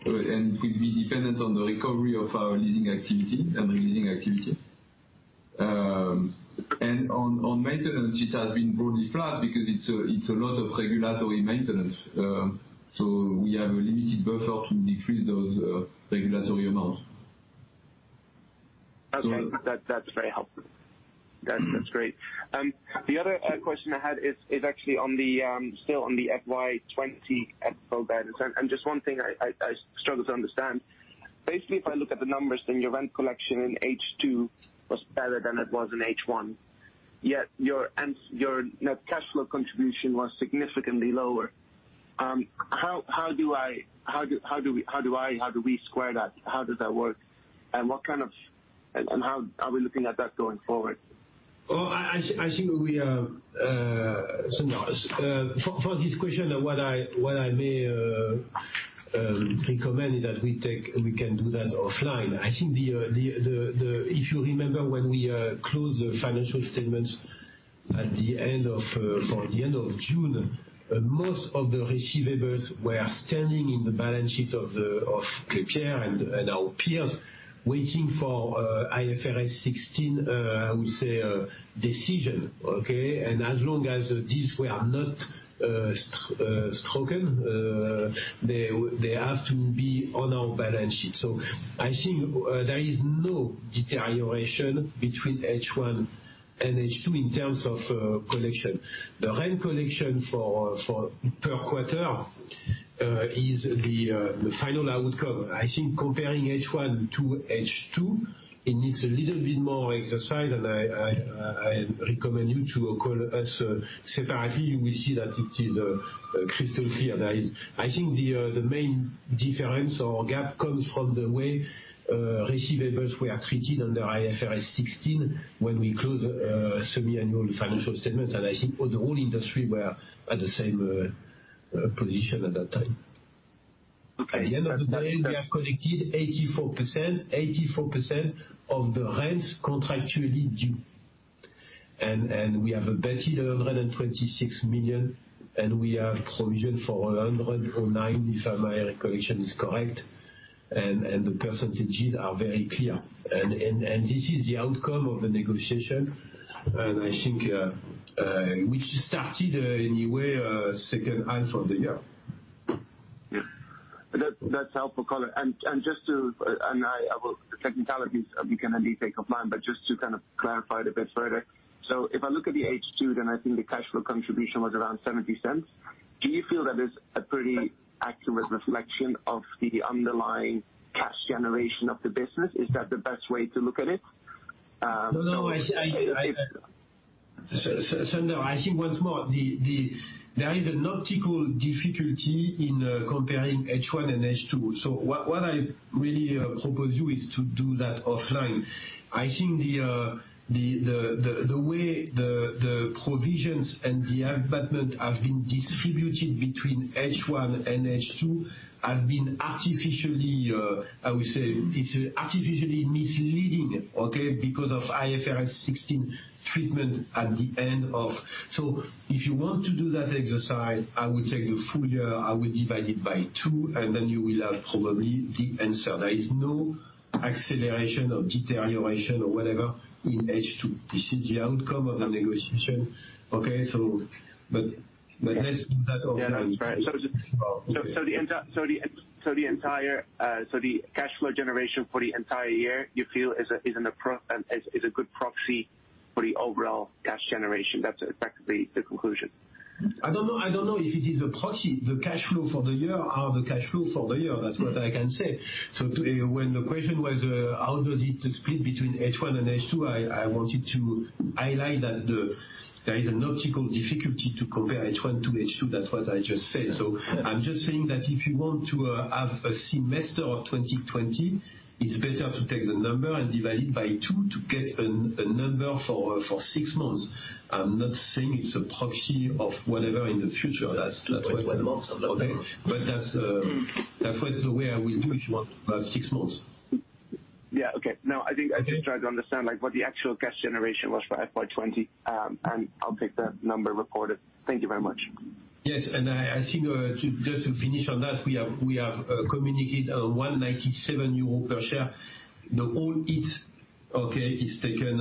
We'd be dependent on the recovery of our leasing activity and releasing activity. On maintenance, it has been broadly flat because it's a lot of regulatory maintenance. We have a limited buffer to decrease those regulatory amounts. Okay. That's very helpful. That's great. The other question I had is actually still on the FY 2020 Expo event. Just one thing I struggle to understand. Basically, if I look at the numbers, then your rent collection in H2 was better than it was in H1. Yet your net cash flow contribution was significantly lower. How do we square that? How does that work? How are we looking at that going forward? For this question, what I may recommend is that we can do that offline. I think if you remember when we closed the financial statements for the end of June, most of the receivables were standing in the balance sheet of Klépierre and our peers waiting for IFRS 16, I would say, decision. Okay? As long as these were not struck, they have to be on our balance sheet. I think there is no deterioration between H1 and H2 in terms of collection. The rent collection per quarter is the final outcome. I think comparing H1 to H2, it needs a little bit more exercise, and I recommend you to call us separately. We see that it is crystal clear. I think the main difference or gap comes from the way receivables were treated under IFRS 16 when we closed semi-annual financial statements, and I think all the whole industry were at the same position at that time. Okay. At the end of the day, we have collected 84% of the rents contractually due, and we have abated 126 million, and we have provisioned for 109 million, if my recollection is correct, and the percentages are very clear. This is the outcome of the negotiation, and I think which started anyway second half of the year. Yeah. That's helpful color. The technicalities we can maybe take offline, just to kind of clarify it a bit further. If I look at the H2, I think the cash flow contribution was around 0.70. Do you feel that is a pretty accurate reflection of the underlying cash generation of the business? Is that the best way to look at it? No. Sander, I think once more, there is an optical difficulty in comparing H1 and H2. So what I really propose you is to do that offline. I think the way the provisions and the abatement have been distributed between H1 and H2 have been artificially, I would say, misleading, okay. Because of IFRS 16 treatment. If you want to do that exercise, I would take the full year, I would divide it by two, and then you will have probably the answer. There is no acceleration or deterioration or whatever in H2. This is the outcome of the negotiation. Okay. Let's do that offline. Yeah, that's right. The cash flow generation for the entire year, you feel is a good proxy for the overall cash generation. That's effectively the conclusion. I don't know if it is a proxy. The cash flow for the year are the cash flow for the year. That's what I can say. When the question was, how does it split between H1 and H2, I wanted to highlight that there is an optical difficulty to compare H1 to H2. That's what I just said. I'm just saying that if you want to have a semester of 2020, it's better to take the number and divide it by two to get a number for six months. I'm not saying it's a proxy of whatever in the future. That's 2.1 months. Okay. That's the way I will do it if you want, about six months. Yeah. Okay. No, I think I'm just trying to understand what the actual cash generation was for FY 2020, and I'll take that number recorded. Thank you very much. Yes. I think, just to finish on that, we have communicated a 1.97 euro per share. The whole hit, okay, is taken,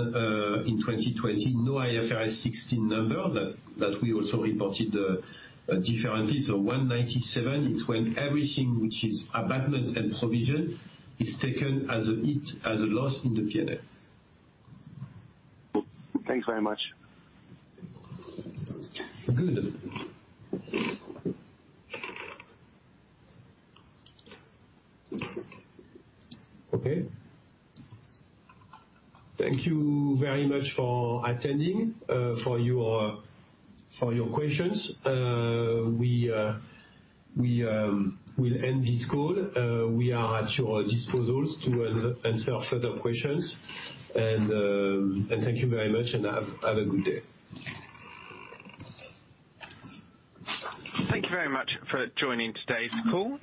in 2020, no IFRS 16 number. That we also reported differently to 1.97, it's when everything which is abatement and provision is taken as a hit, as a loss in the P&L. Thanks very much. Good. Okay. Thank you very much for attending, for your questions. We will end this call. We are at your disposal to answer further questions, and thank you very much and have a good day. Thank you very much for joining today's call.